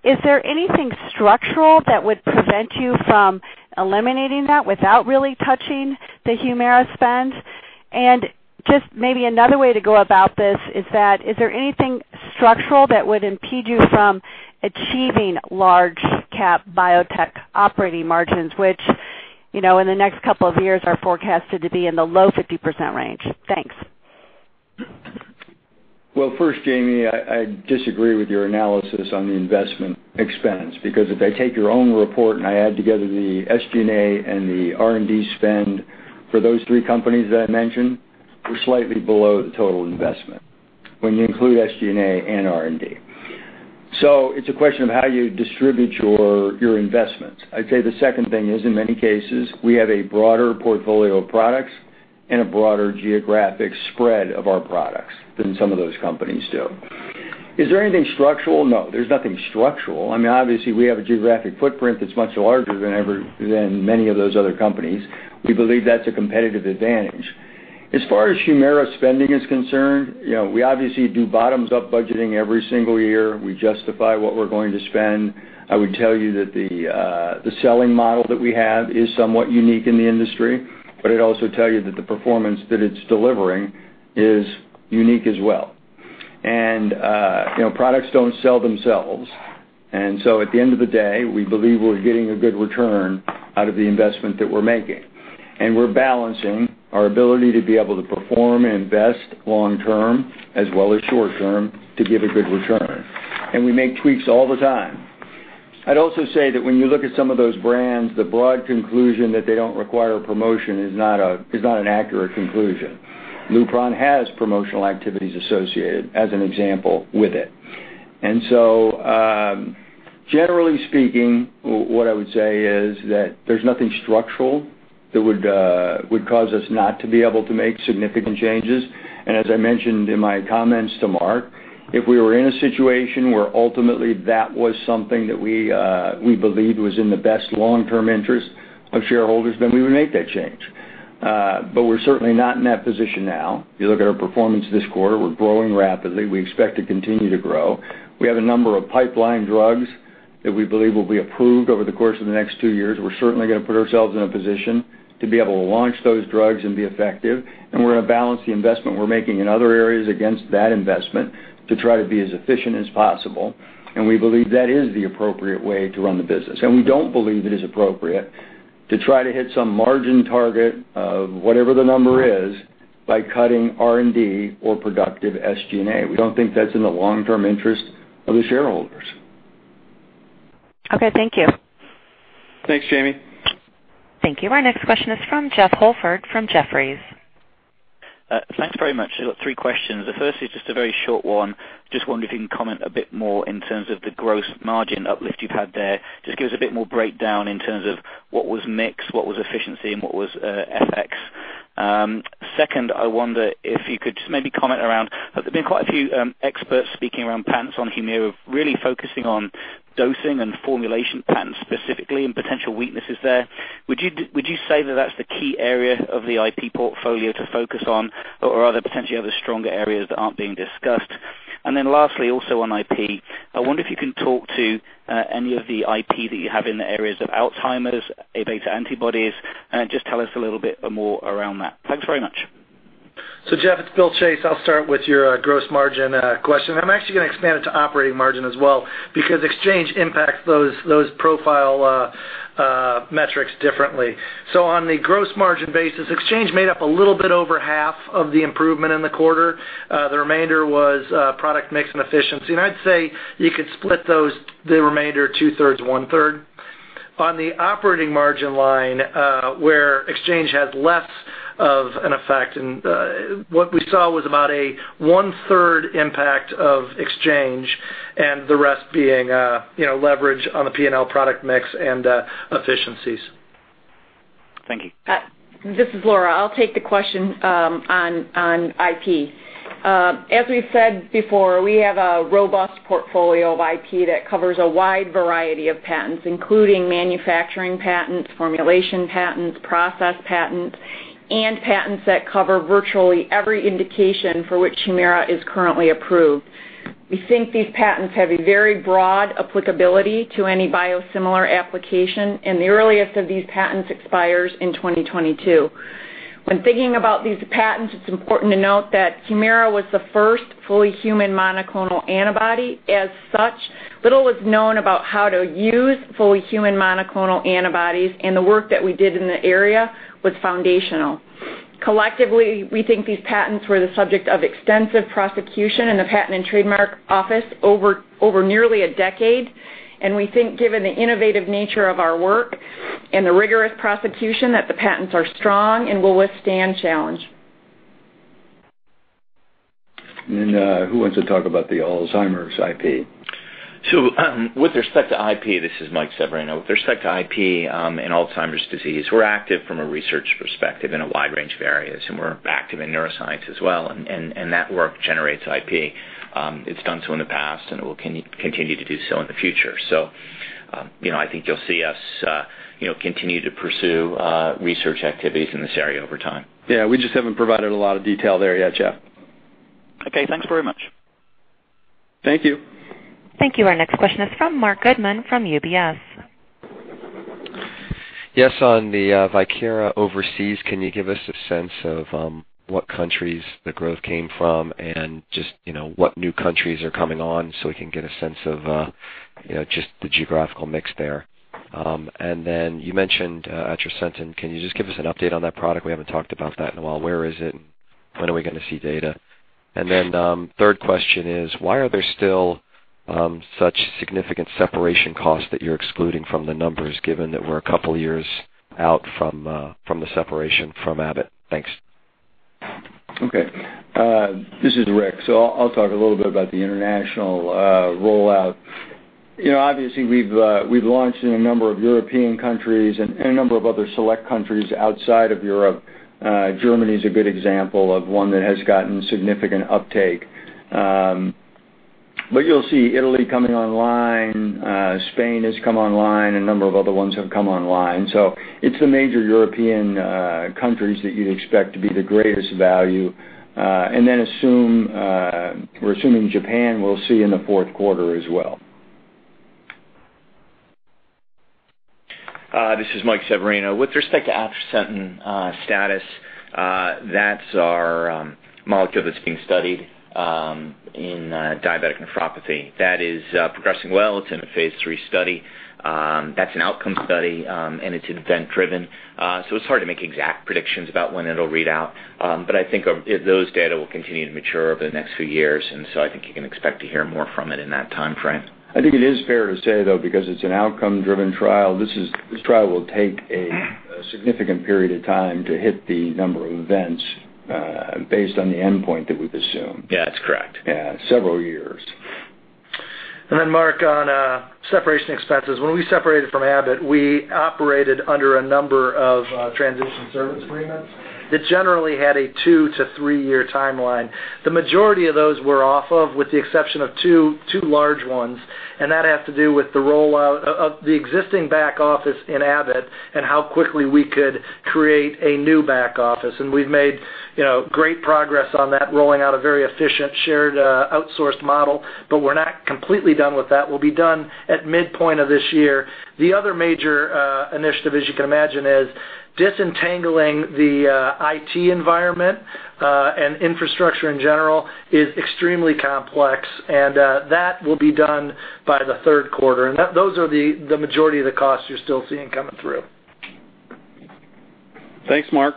Is there anything structural that would prevent you from eliminating that without really touching the HUMIRA spend? Just maybe another way to go about this is that, is there anything structural that would impede you from achieving large cap biotech operating margins, which in the next couple of years are forecasted to be in the low 50% range? Thanks. First, Jami, I disagree with your analysis on the investment expense because if I take your own report and I add together the SG&A and the R&D spend for those three companies that I mentioned, we're slightly below the total investment when you include SG&A and R&D. It's a question of how you distribute your investments. I'd say the second thing is, in many cases, we have a broader portfolio of products and a broader geographic spread of our products than some of those companies do. Is there anything structural? No, there's nothing structural. Obviously, we have a geographic footprint that's much larger than many of those other companies. We believe that's a competitive advantage. As far as HUMIRA spending is concerned, we obviously do bottoms-up budgeting every single year. We justify what we're going to spend. I would tell you that the selling model that we have is somewhat unique in the industry, but I'd also tell you that the performance that it's delivering is unique as well. Products don't sell themselves. At the end of the day, we believe we're getting a good return out of the investment that we're making. We're balancing our ability to be able to perform and invest long term as well as short term to give a good return. We make tweaks all the time. I'd also say that when you look at some of those brands, the broad conclusion that they don't require promotion is not an accurate conclusion. LUPRON has promotional activities associated as an example with it. Generally speaking, what I would say is that there's nothing structural that would cause us not to be able to make significant changes. As I mentioned in my comments to Mark, if we were in a situation where ultimately that was something that we believed was in the best long-term interest of shareholders, then we would make that change. We're certainly not in that position now. If you look at our performance this quarter, we're growing rapidly. We expect to continue to grow. We have a number of pipeline drugs That we believe will be approved over the course of the next two years. We're certainly going to put ourselves in a position to be able to launch those drugs and be effective. We're going to balance the investment we're making in other areas against that investment to try to be as efficient as possible. We believe that is the appropriate way to run the business. We don't believe it is appropriate to try to hit some margin target of whatever the number is by cutting R&D or productive SG&A. We don't think that's in the long-term interest of the shareholders. Okay, thank you. Thanks, Jami. Thank you. Our next question is from Jeff Holford from Jefferies. Thanks very much. I've got three questions. The first is just a very short one. Wondering if you can comment a bit more in terms of the gross margin uplift you've had there. Give us a bit more breakdown in terms of what was mix, what was efficiency, and what was FX. Second, I wonder if you could just maybe comment around, there's been quite a few experts speaking around patents on HUMIRA, really focusing on dosing and formulation patents specifically and potential weaknesses there. Would you say that that's the key area of the IP portfolio to focus on, or are there potentially other stronger areas that aren't being discussed? Lastly, also on IP, I wonder if you can talk to any of the IP that you have in the areas of Alzheimer's, A-beta antibodies, and just tell us a little bit more around that. Thanks very much. Jeff, it's Bill Chase. I'll start with your gross margin question. I'm actually going to expand it to operating margin as well because exchange impacts those profile metrics differently. On the gross margin basis, exchange made up a little bit over half of the improvement in the quarter. The remainder was product mix and efficiency, and I'd say you could split the remainder two-thirds, one-third. On the operating margin line, where exchange had less of an effect, what we saw was about a one-third impact of exchange and the rest being leverage on the P&L product mix and efficiencies. Thank you. This is Laura. I'll take the question on IP. As we've said before, we have a robust portfolio of IP that covers a wide variety of patents, including manufacturing patents, formulation patents, process patents, and patents that cover virtually every indication for which HUMIRA is currently approved. We think these patents have a very broad applicability to any biosimilar application, and the earliest of these patents expires in 2022. When thinking about these patents, it's important to note that HUMIRA was the first fully human monoclonal antibody. As such, little was known about how to use fully human monoclonal antibodies, and the work that we did in the area was foundational. Collectively, we think these patents were the subject of extensive prosecution in the Patent and Trademark Office over nearly a decade. We think given the innovative nature of our work and the rigorous prosecution, that the patents are strong and will withstand challenge. Who wants to talk about the Alzheimer's IP? With respect to IP, this is Mike Severino. With respect to IP in Alzheimer's disease, we're active from a research perspective in a wide range of areas, and we're active in neuroscience as well, and that work generates IP. It's done so in the past, and it will continue to do so in the future. I think you'll see us continue to pursue research activities in this area over time. Yeah, we just haven't provided a lot of detail there yet, Jeff. Okay, thanks very much. Thank you. Thank you. Our next question is from Marc Goodman from UBS. Yes, on the Viekira overseas, can you give us a sense of what countries the growth came from and just what new countries are coming on so we can get a sense of just the geographical mix there? You mentioned atrasentan. Can you just give us an update on that product? We haven't talked about that in a while. Where is it? When are we going to see data? Third question is, why are there still such significant separation costs that you're excluding from the numbers, given that we're a couple of years out from the separation from Abbott? Thanks. Okay. This is Rick. I'll talk a little bit about the international rollout. Obviously, we've launched in a number of European countries and a number of other select countries outside of Europe. Germany is a good example of one that has gotten significant uptake. You'll see Italy coming online, Spain has come online, a number of other ones have come online. It's the major European countries that you'd expect to be the greatest value. We're assuming Japan we'll see in the fourth quarter as well. This is Mike Severino. With respect to atrasentan status, that's our molecule that's being studied in diabetic nephropathy. That is progressing well. It's in a phase III study. That's an outcome study, and it's event-driven. It's hard to make exact predictions about when it'll read out, but I think those data will continue to mature over the next few years. I think you can expect to hear more from it in that timeframe. I think it is fair to say, though, because it's an outcome-driven trial, this trial will take a significant period of time to hit the number of events based on the endpoint that we've assumed. Yeah, that's correct. Yeah, several years. Marc, on separation expenses, when we separated from Abbott, we operated under a number of transition service agreements that generally had a 2 to 3-year timeline. The majority of those were off of, with the exception of two large ones, and that had to do with the rollout of the existing back office in Abbott and how quickly we could create a new back office. We've made great progress on that, rolling out a very efficient, shared, outsourced model, but we're not completely done with that. We'll be done at midpoint of this year. The other major initiative, as you can imagine, is disentangling the IT environment, and infrastructure in general is extremely complex, and that will be done by the third quarter. Those are the majority of the costs you're still seeing coming through. Thanks, Marc.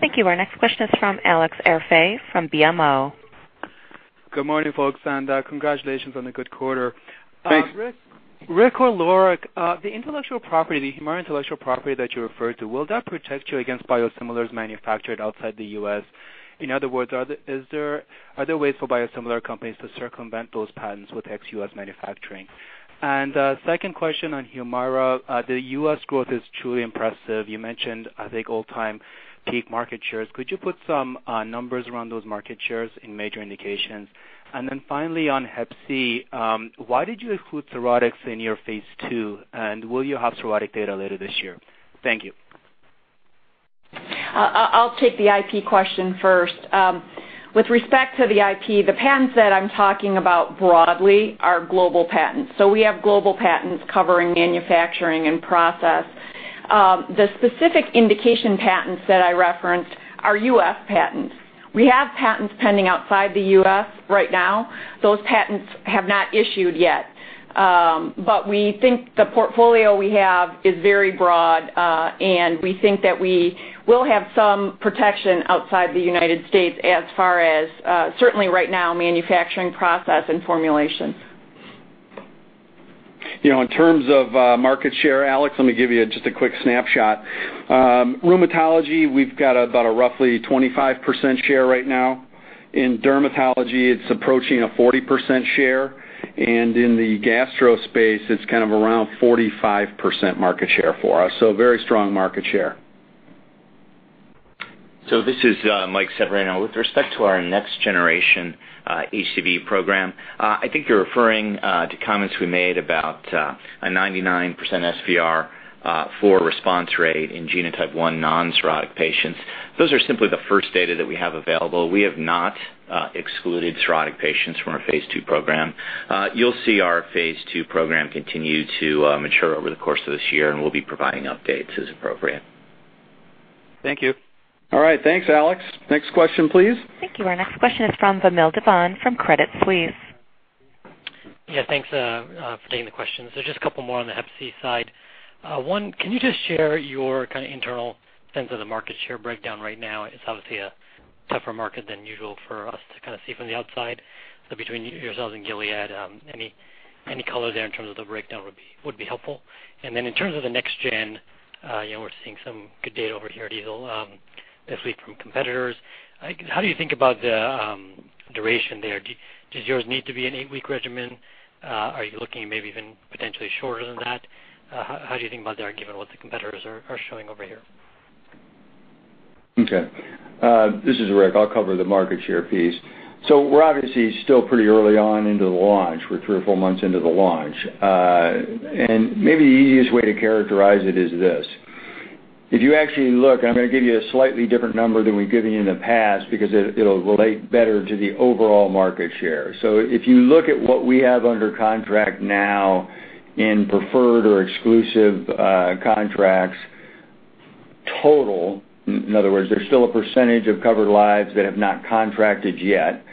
Thank you. Our next question is from Alex Arfaei from BMO. Good morning, folks, congratulations on the good quarter. Thanks. Ric or Laura, the HUMIRA intellectual property that you referred to, will that protect you against biosimilars manufactured outside the U.S.? In other words, are there ways for biosimilar companies to circumvent those patents with ex-U.S. manufacturing? Second question on HUMIRA. The U.S. growth is truly impressive. You mentioned, I think, all-time peak market shares. Could you put some numbers around those market shares in major indications? Finally on hep C, why did you include cirrhotics in your phase II, and will you have cirrhotic data later this year? Thank you. I'll take the IP question first. With respect to the IP, the patents that I'm talking about broadly are global patents. We have global patents covering manufacturing and process. The specific indication patents that I referenced are U.S. patents. We have patents pending outside the U.S. right now. Those patents have not issued yet. We think the portfolio we have is very broad, and we think that we will have some protection outside the United States as far as, certainly right now, manufacturing process and formulation. In terms of market share, Alex, let me give you just a quick snapshot. Rheumatology, we've got about a roughly 25% share right now. In dermatology, it's approaching a 40% share. In the gastro space, it's around 45% market share for us. Very strong market share. This is Michael Severino. With respect to our next generation HCV program, I think you're referring to comments we made about a 99% SVR for response rate in genotype 1 non-cirrhotic patients. Those are simply the first data that we have available. We have not excluded cirrhotic patients from our phase II program. You'll see our phase II program continue to mature over the course of this year, and we'll be providing updates as appropriate. Thank you. All right. Thanks, Alex. Next question, please. Thank you. Our next question is from Vamil Divan, from Credit Suisse. Thanks for taking the questions. Just a couple more on the HCV side. One, can you just share your internal sense of the market share breakdown right now? It's obviously a tougher market than usual for us to see from the outside. Between yourselves and Gilead, any color there in terms of the breakdown would be helpful. In terms of the next gen, we're seeing some good data over here at EASL this week from competitors. How do you think about the duration there? Does yours need to be an 8-week regimen? Are you looking maybe even potentially shorter than that? How do you think about that given what the competitors are showing over here? This is Rick. I'll cover the market share piece. We're obviously still pretty early on into the launch. We're 3 or 4 months into the launch. Maybe the easiest way to characterize it is this. If you actually look, I'm going to give you a slightly different number than we've given you in the past because it'll relate better to the overall market share. If you look at what we have under contract now in preferred or exclusive contracts total, in other words, there's still a percentage of covered lives that have not contracted yet.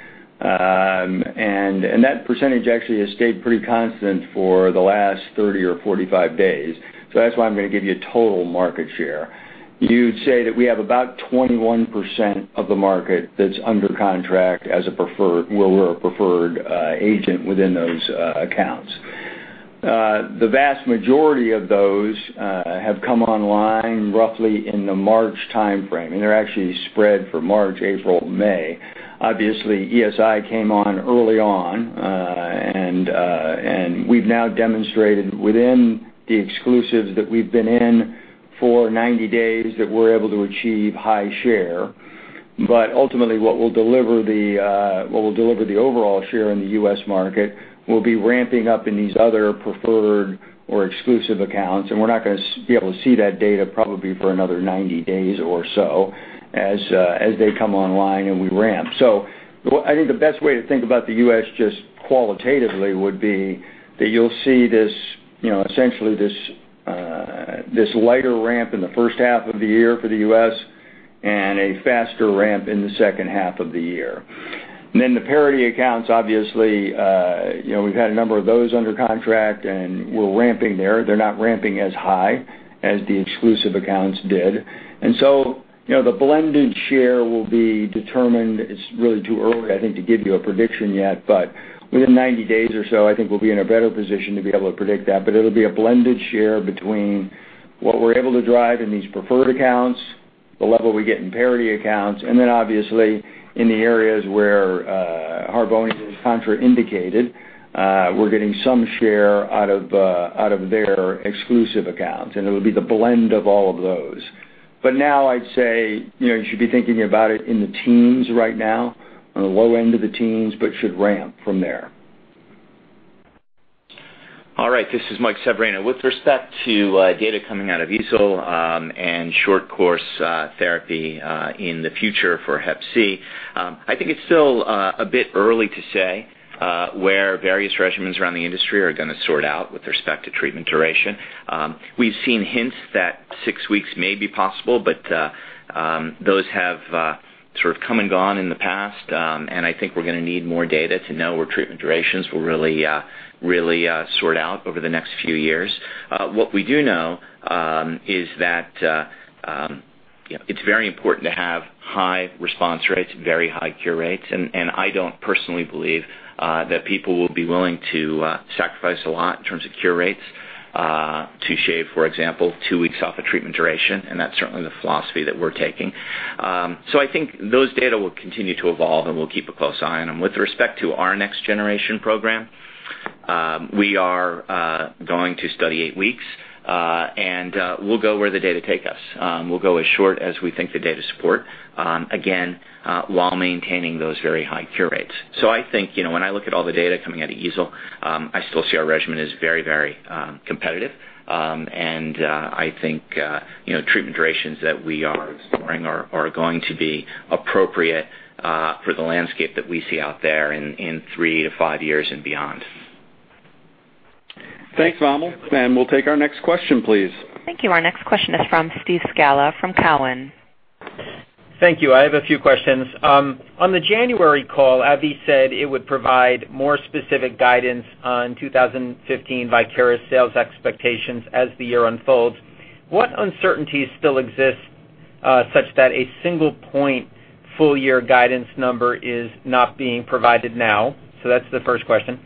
That percentage actually has stayed pretty constant for the last 30 or 45 days. That's why I'm going to give you a total market share. You'd say that we have about 21% of the market that's under contract as a preferred, where we're a preferred agent within those accounts. The vast majority of those have come online roughly in the March timeframe, and they're actually spread for March, April, May. Obviously, ESI came on early on, and we've now demonstrated within the exclusives that we've been in for 90 days that we're able to achieve high share. Ultimately, what will deliver the overall share in the U.S. market will be ramping up in these other preferred or exclusive accounts, and we're not going to be able to see that data probably for another 90 days or so as they come online and we ramp. I think the best way to think about the U.S. just qualitatively would be that you'll see essentially this lighter ramp in the first half of the year for the U.S. and a faster ramp in the second half of the year. the parity accounts, obviously, we've had a number of those under contract, and we're ramping there. They're not ramping as high as the exclusive accounts did. The blended share will be determined. It's really too early, I think, to give you a prediction yet, but within 90 days or so, I think we'll be in a better position to be able to predict that. It'll be a blended share between what we're able to drive in these preferred accounts The level we get in parity accounts, and then obviously in the areas where Harvoni is contraindicated, we're getting some share out of their exclusive accounts, and it'll be the blend of all of those. Now I'd say you should be thinking about it in the teens right now, on the low end of the teens, but it should ramp from there. All right. This is Mike Severino. With respect to data coming out of EASL, and short course therapy in the future for hep C, I think it's still a bit early to say where various regimens around the industry are going to sort out with respect to treatment duration. We've seen hints that six weeks may be possible, but those have sort of come and gone in the past. I think we're going to need more data to know where treatment durations will really sort out over the next few years. What we do know is that it's very important to have high response rates and very high cure rates. I don't personally believe that people will be willing to sacrifice a lot in terms of cure rates to shave, for example, two weeks off a treatment duration. That's certainly the philosophy that we're taking. I think those data will continue to evolve, and we'll keep a close eye on them. With respect to our next generation program, we are going to study eight weeks, and we'll go where the data take us. We'll go as short as we think the data support, again, while maintaining those very high cure rates. I think, when I look at all the data coming out of EASL, I still see our regimen as very competitive. I think treatment durations that we are exploring are going to be appropriate for the landscape that we see out there in three to five years and beyond. Thanks, Vamil. We'll take our next question, please. Thank you. Our next question is from Steve Scala from Cowen. Thank you. I have a few questions. On the January call, AbbVie said it would provide more specific guidance on 2015 Viekira sales expectations as the year unfolds. What uncertainties still exist such that a single point full-year guidance number is not being provided now? That's the first question.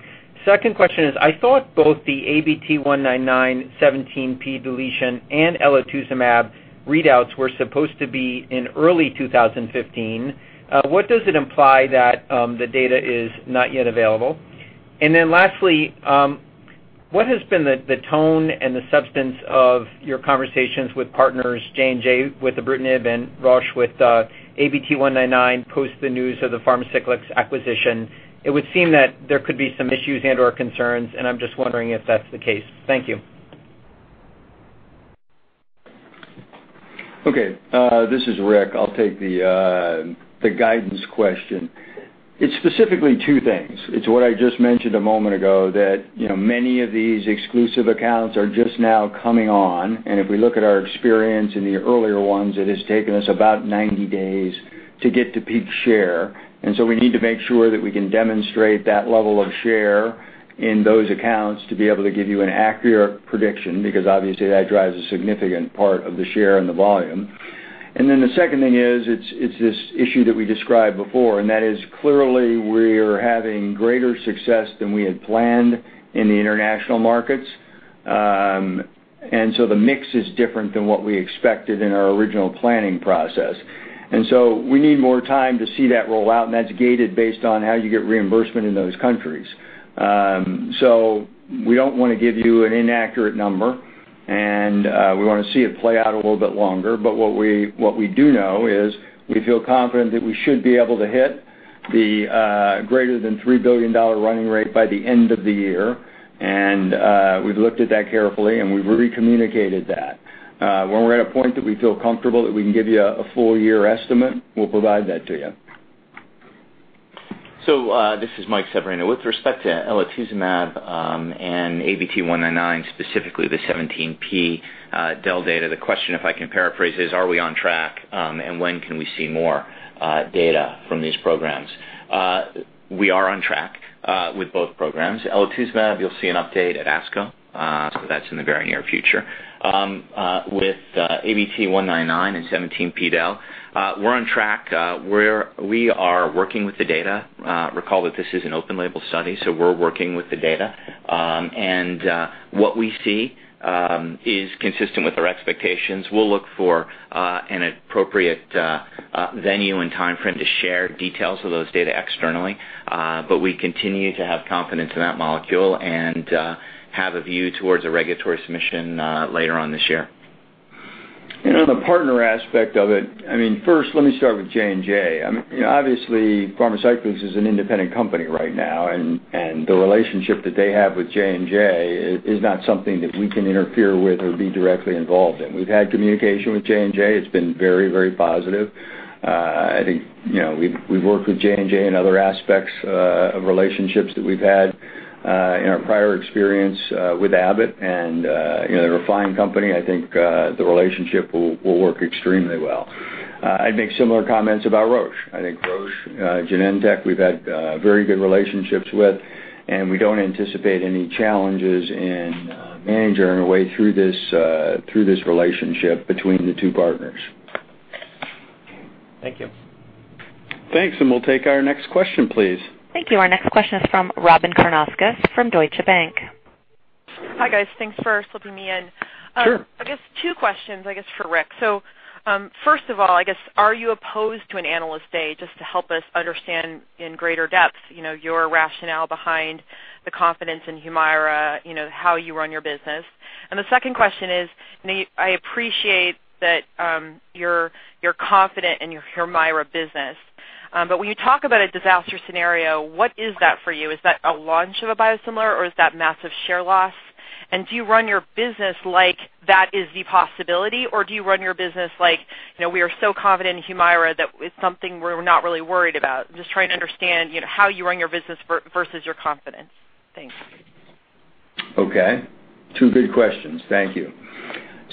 Second question is, I thought both the ABT-199 17p deletion and elotuzumab readouts were supposed to be in early 2015. What does it imply that the data is not yet available? Lastly, what has been the tone and the substance of your conversations with partners, J&J with ibrutinib and Roche with ABT-199, post the news of the Pharmacyclics acquisition? It would seem that there could be some issues and/or concerns, and I'm just wondering if that's the case. Thank you. Okay. This is Rick. I'll take the guidance question. It's specifically two things. It's what I just mentioned a moment ago, that many of these exclusive accounts are just now coming on, and if we look at our experience in the earlier ones, it has taken us about 90 days to get to peak share. We need to make sure that we can demonstrate that level of share in those accounts to be able to give you an accurate prediction, because obviously that drives a significant part of the share and the volume. The second thing is this issue that we described before, and that is clearly we're having greater success than we had planned in the international markets. The mix is different than what we expected in our original planning process. We need more time to see that roll out, and that's gated based on how you get reimbursement in those countries. We don't want to give you an inaccurate number, and we want to see it play out a little bit longer. What we do know is we feel confident that we should be able to hit the greater than $3 billion running rate by the end of the year. We've looked at that carefully, and we've re-communicated that. When we're at a point that we feel comfortable that we can give you a full year estimate, we'll provide that to you. This is Michael E. Severino. With respect to elotuzumab and ABT-199, specifically the 17p del data, the question, if I can paraphrase, is are we on track? When can we see more data from these programs? We are on track with both programs. Elotuzumab, you'll see an update at ASCO, that's in the very near future. With ABT-199 and 17p, we're on track. We are working with the data. Recall that this is an open label study, we're working with the data. What we see is consistent with our expectations. We'll look for an appropriate venue and timeframe to share details of those data externally. We continue to have confidence in that molecule and have a view towards a regulatory submission later on this year. On the partner aspect of it, first, let me start with J&J. Obviously, Pharmacyclics is an independent company right now, the relationship that they have with J&J is not something that we can interfere with or be directly involved in. We've had communication with J&J. It's been very positive. I think we've worked with J&J in other aspects of relationships that we've had in our prior experience with Abbott, they're a fine company. I think the relationship will work extremely well. I'd make similar comments about Roche. I think Roche Genentech we've had very good relationships with, we don't anticipate any challenges in managing our way through this relationship between the two partners. Thank you. Thanks, we'll take our next question, please. Thank you. Our next question is from Robyn Karnauskas from Deutsche Bank. Hi, guys. Thanks for slipping me in. Sure. I guess two questions, I guess, for Rick. First of all, I guess, are you opposed to an analyst day just to help us understand in greater depth your rationale behind the confidence in HUMIRA, how you run your business? The second question is, I appreciate that you're confident in your HUMIRA business. When you talk about a disaster scenario, what is that for you? Is that a launch of a biosimilar, or is that massive share loss? Do you run your business like that is the possibility, or do you run your business like, we are so confident in HUMIRA that it's something we're not really worried about? I'm just trying to understand, how you run your business versus your confidence. Thanks. Okay. Two good questions. Thank you.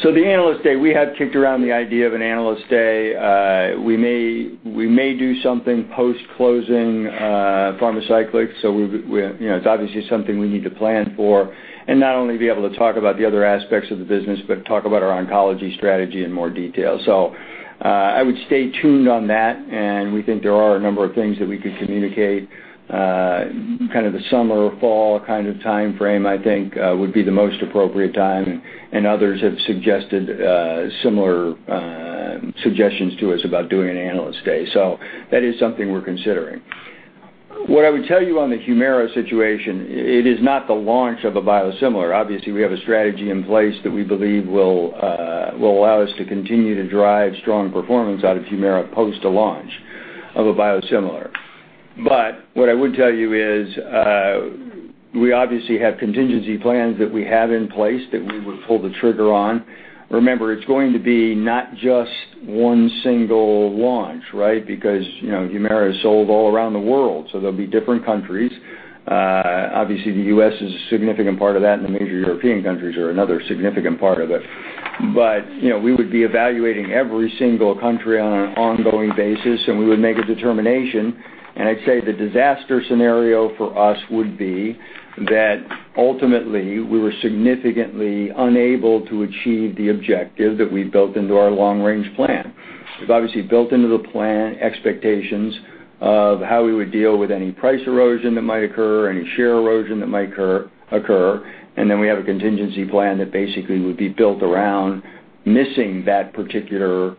The analyst day, we have kicked around the idea of an analyst day. We may do something post-closing Pharmacyclics. It's obviously something we need to plan for, and not only be able to talk about the other aspects of the business, but talk about our oncology strategy in more detail. I would stay tuned on that, and we think there are a number of things that we could communicate, kind of the summer or fall kind of timeframe, I think would be the most appropriate time, and others have suggested similar suggestions to us about doing an analyst day. That is something we're considering. What I would tell you on the HUMIRA situation, it is not the launch of a biosimilar. Obviously, we have a strategy in place that we believe will allow us to continue to drive strong performance out of HUMIRA post the launch of a biosimilar. What I would tell you is, we obviously have contingency plans that we have in place that we would pull the trigger on. Remember, it's going to be not just one single launch, right? HUMIRA is sold all around the world, so there will be different countries. Obviously, the U.S. is a significant part of that, and the major European countries are another significant part of it. We would be evaluating every single country on an ongoing basis, and we would make a determination. I'd say the disaster scenario for us would be that ultimately, we were significantly unable to achieve the objective that we've built into our long-range plan. We've obviously built into the plan expectations of how we would deal with any price erosion that might occur, any share erosion that might occur. We have a contingency plan that basically would be built around missing that particular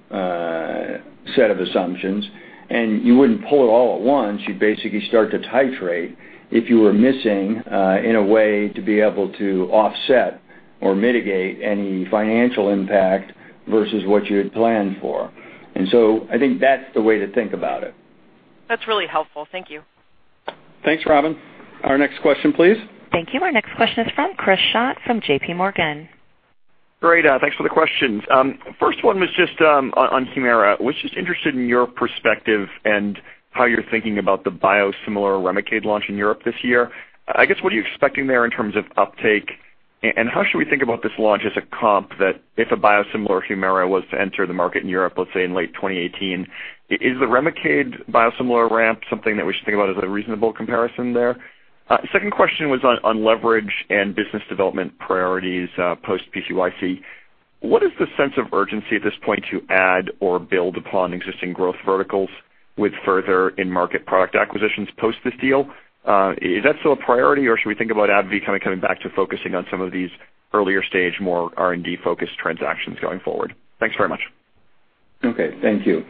set of assumptions. You wouldn't pull it all at once. You'd basically start to titrate if you were missing in a way to be able to offset or mitigate any financial impact versus what you had planned for. I think that's the way to think about it. That's really helpful. Thank you. Thanks, Robyn. Our next question, please. Thank you. Our next question is from Chris Schott from JPMorgan. Great. Thanks for the questions. First one was just on HUMIRA. Was just interested in your perspective and how you're thinking about the biosimilar REMICADE launch in Europe this year. I guess, what are you expecting there in terms of uptake, and how should we think about this launch as a comp that if a biosimilar HUMIRA was to enter the market in Europe, let's say in late 2018, is the REMICADE biosimilar ramp something that we should think about as a reasonable comparison there? Second question was on leverage and business development priorities, post PCYC. What is the sense of urgency at this point to add or build upon existing growth verticals with further in-market product acquisitions post this deal? Is that still a priority, or should we think about AbbVie kind of coming back to focusing on some of these earlier stage, more R&D-focused transactions going forward? Thanks very much. Okay. Thank you.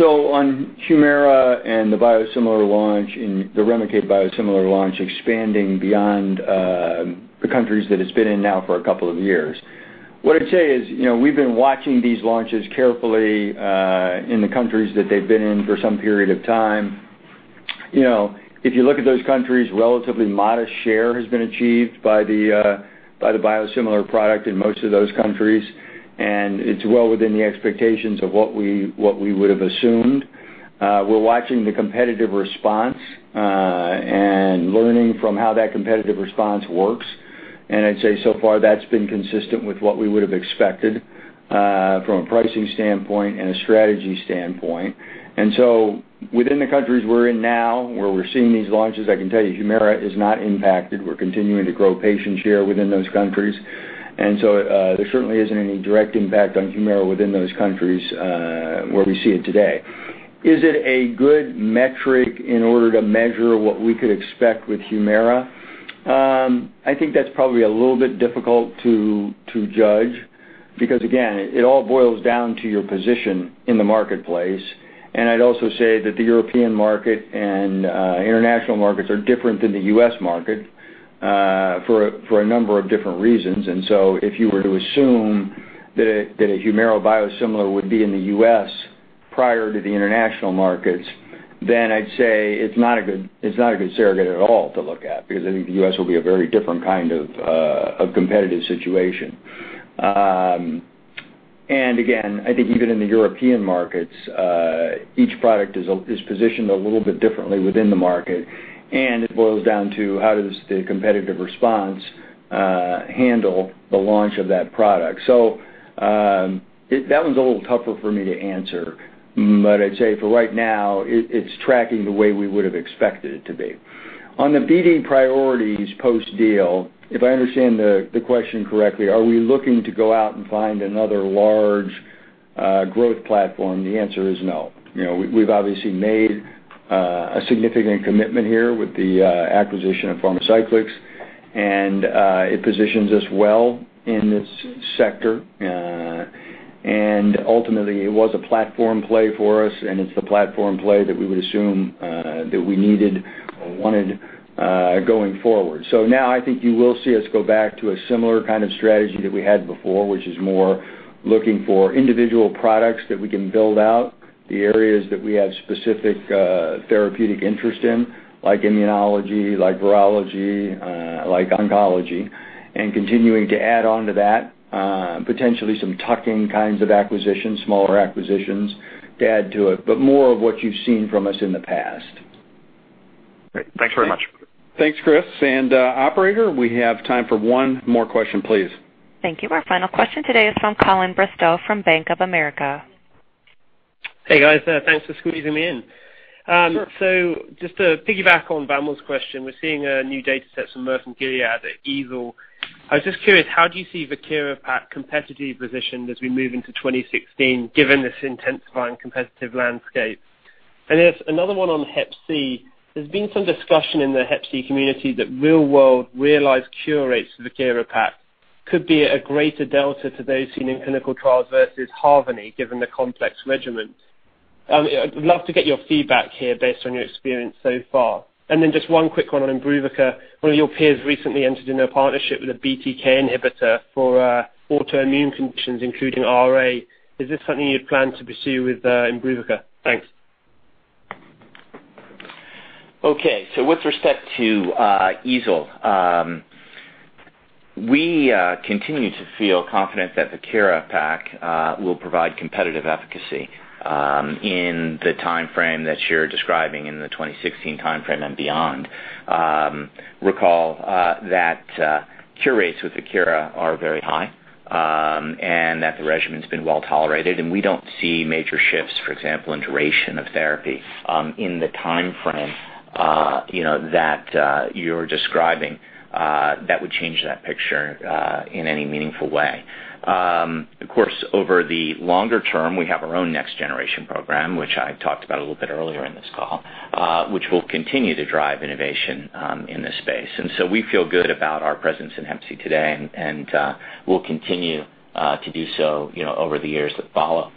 On HUMIRA and the biosimilar launch and the REMICADE biosimilar launch expanding beyond the countries that it's been in now for a couple of years. What I'd say is, we've been watching these launches carefully, in the countries that they've been in for some period of time. If you look at those countries, relatively modest share has been achieved by the biosimilar product in most of those countries, and it's well within the expectations of what we would have assumed. We're watching the competitive response, and learning from how that competitive response works. I'd say so far, that's been consistent with what we would have expected, from a pricing standpoint and a strategy standpoint. Within the countries we're in now, where we're seeing these launches, I can tell you HUMIRA is not impacted. We're continuing to grow patient share within those countries. There certainly isn't any direct impact on HUMIRA within those countries where we see it today. Is it a good metric in order to measure what we could expect with HUMIRA? I think that's probably a little bit difficult to judge because again, it all boils down to your position in the marketplace. I'd also say that the European market and international markets are different than the U.S. market, for a number of different reasons. If you were to assume that a HUMIRA biosimilar would be in the U.S. prior to the international markets, then I'd say it's not a good surrogate at all to look at, because I think the U.S. will be a very different kind of competitive situation. Again, I think even in the European markets, each product is positioned a little bit differently within the market, and it boils down to how does the competitive response handle the launch of that product. That one's a little tougher for me to answer. I'd say for right now, it's tracking the way we would have expected it to be. On the BD priorities post-deal, if I understand the question correctly, are we looking to go out and find another large growth platform, the answer is no. We've obviously made a significant commitment here with the acquisition of Pharmacyclics, and it positions us well in this sector. Ultimately it was a platform play for us, and it's the platform play that we would assume that we needed or wanted going forward. Now I think you will see us go back to a similar kind of strategy that we had before, which is more looking for individual products that we can build out, the areas that we have specific therapeutic interest in, like immunology, like virology, like oncology, and continuing to add onto that, potentially some tuck-in kinds of acquisitions, smaller acquisitions to add to it. More of what you've seen from us in the past. Great. Thanks very much. Operator, we have time for one more question, please. Thank you. Our final question today is from Colin Bristow from Bank of America. Hey, guys. Thanks for squeezing me in. Sure. Just to piggyback on Baml's question, we're seeing new data sets from Merck and Gilead at EASL. I was just curious, how do you see VIEKIRA PAK competitively positioned as we move into 2016, given this intensifying competitive landscape? There's another one on Hep C. There's been some discussion in the Hep C community that real world realized cure rates for VIEKIRA PAK could be a greater delta to those seen in clinical trials versus Harvoni, given the complex regimen. I would love to get your feedback here based on your experience so far. Just one quick one on IMBRUVICA. One of your peers recently entered into a partnership with a BTK inhibitor for autoimmune conditions, including RA. Is this something you plan to pursue with IMBRUVICA? Thanks. With respect to EASL, we continue to feel confident that VIEKIRA PAK will provide competitive efficacy in the timeframe that you're describing, in the 2016 timeframe and beyond. Recall that cure rates with Viekira are very high, and that the regimen's been well-tolerated, and we don't see major shifts, for example, in duration of therapy in the timeframe that you're describing that would change that picture in any meaningful way. Of course, over the longer term, we have our own next generation program, which I talked about a little bit earlier in this call, which will continue to drive innovation in this space. We feel good about our presence in HCV today, and we'll continue to do so over the years that follow.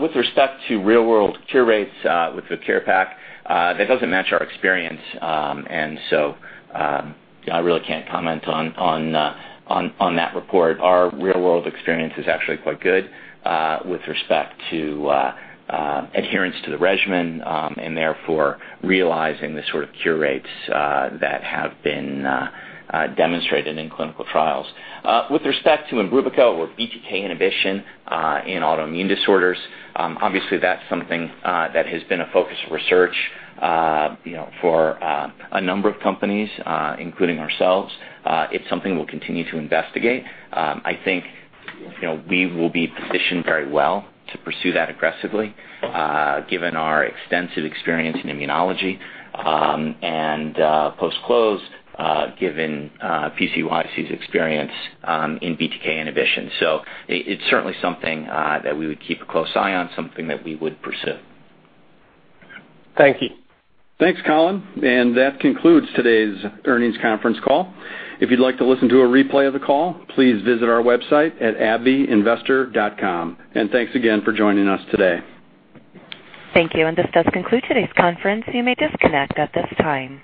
With respect to real world cure rates with VIEKIRA PAK, that doesn't match our experience. I really can't comment on that report. Our real-world experience is actually quite good with respect to adherence to the regimen, and therefore realizing the sort of cure rates that have been demonstrated in clinical trials. With respect to IMBRUVICA or BTK inhibition in autoimmune disorders, obviously that's something that has been a focus of research for a number of companies, including ourselves. It's something we'll continue to investigate. I think we will be positioned very well to pursue that aggressively given our extensive experience in immunology, and post-close given Pharmacyclics' experience in BTK inhibition. It's certainly something that we would keep a close eye on, something that we would pursue. Thank you. Thanks, Colin. That concludes today's earnings conference call. If you'd like to listen to a replay of the call, please visit our website at investors.abbvie.com. Thanks again for joining us today. Thank you, this does conclude today's conference. You may disconnect at this time.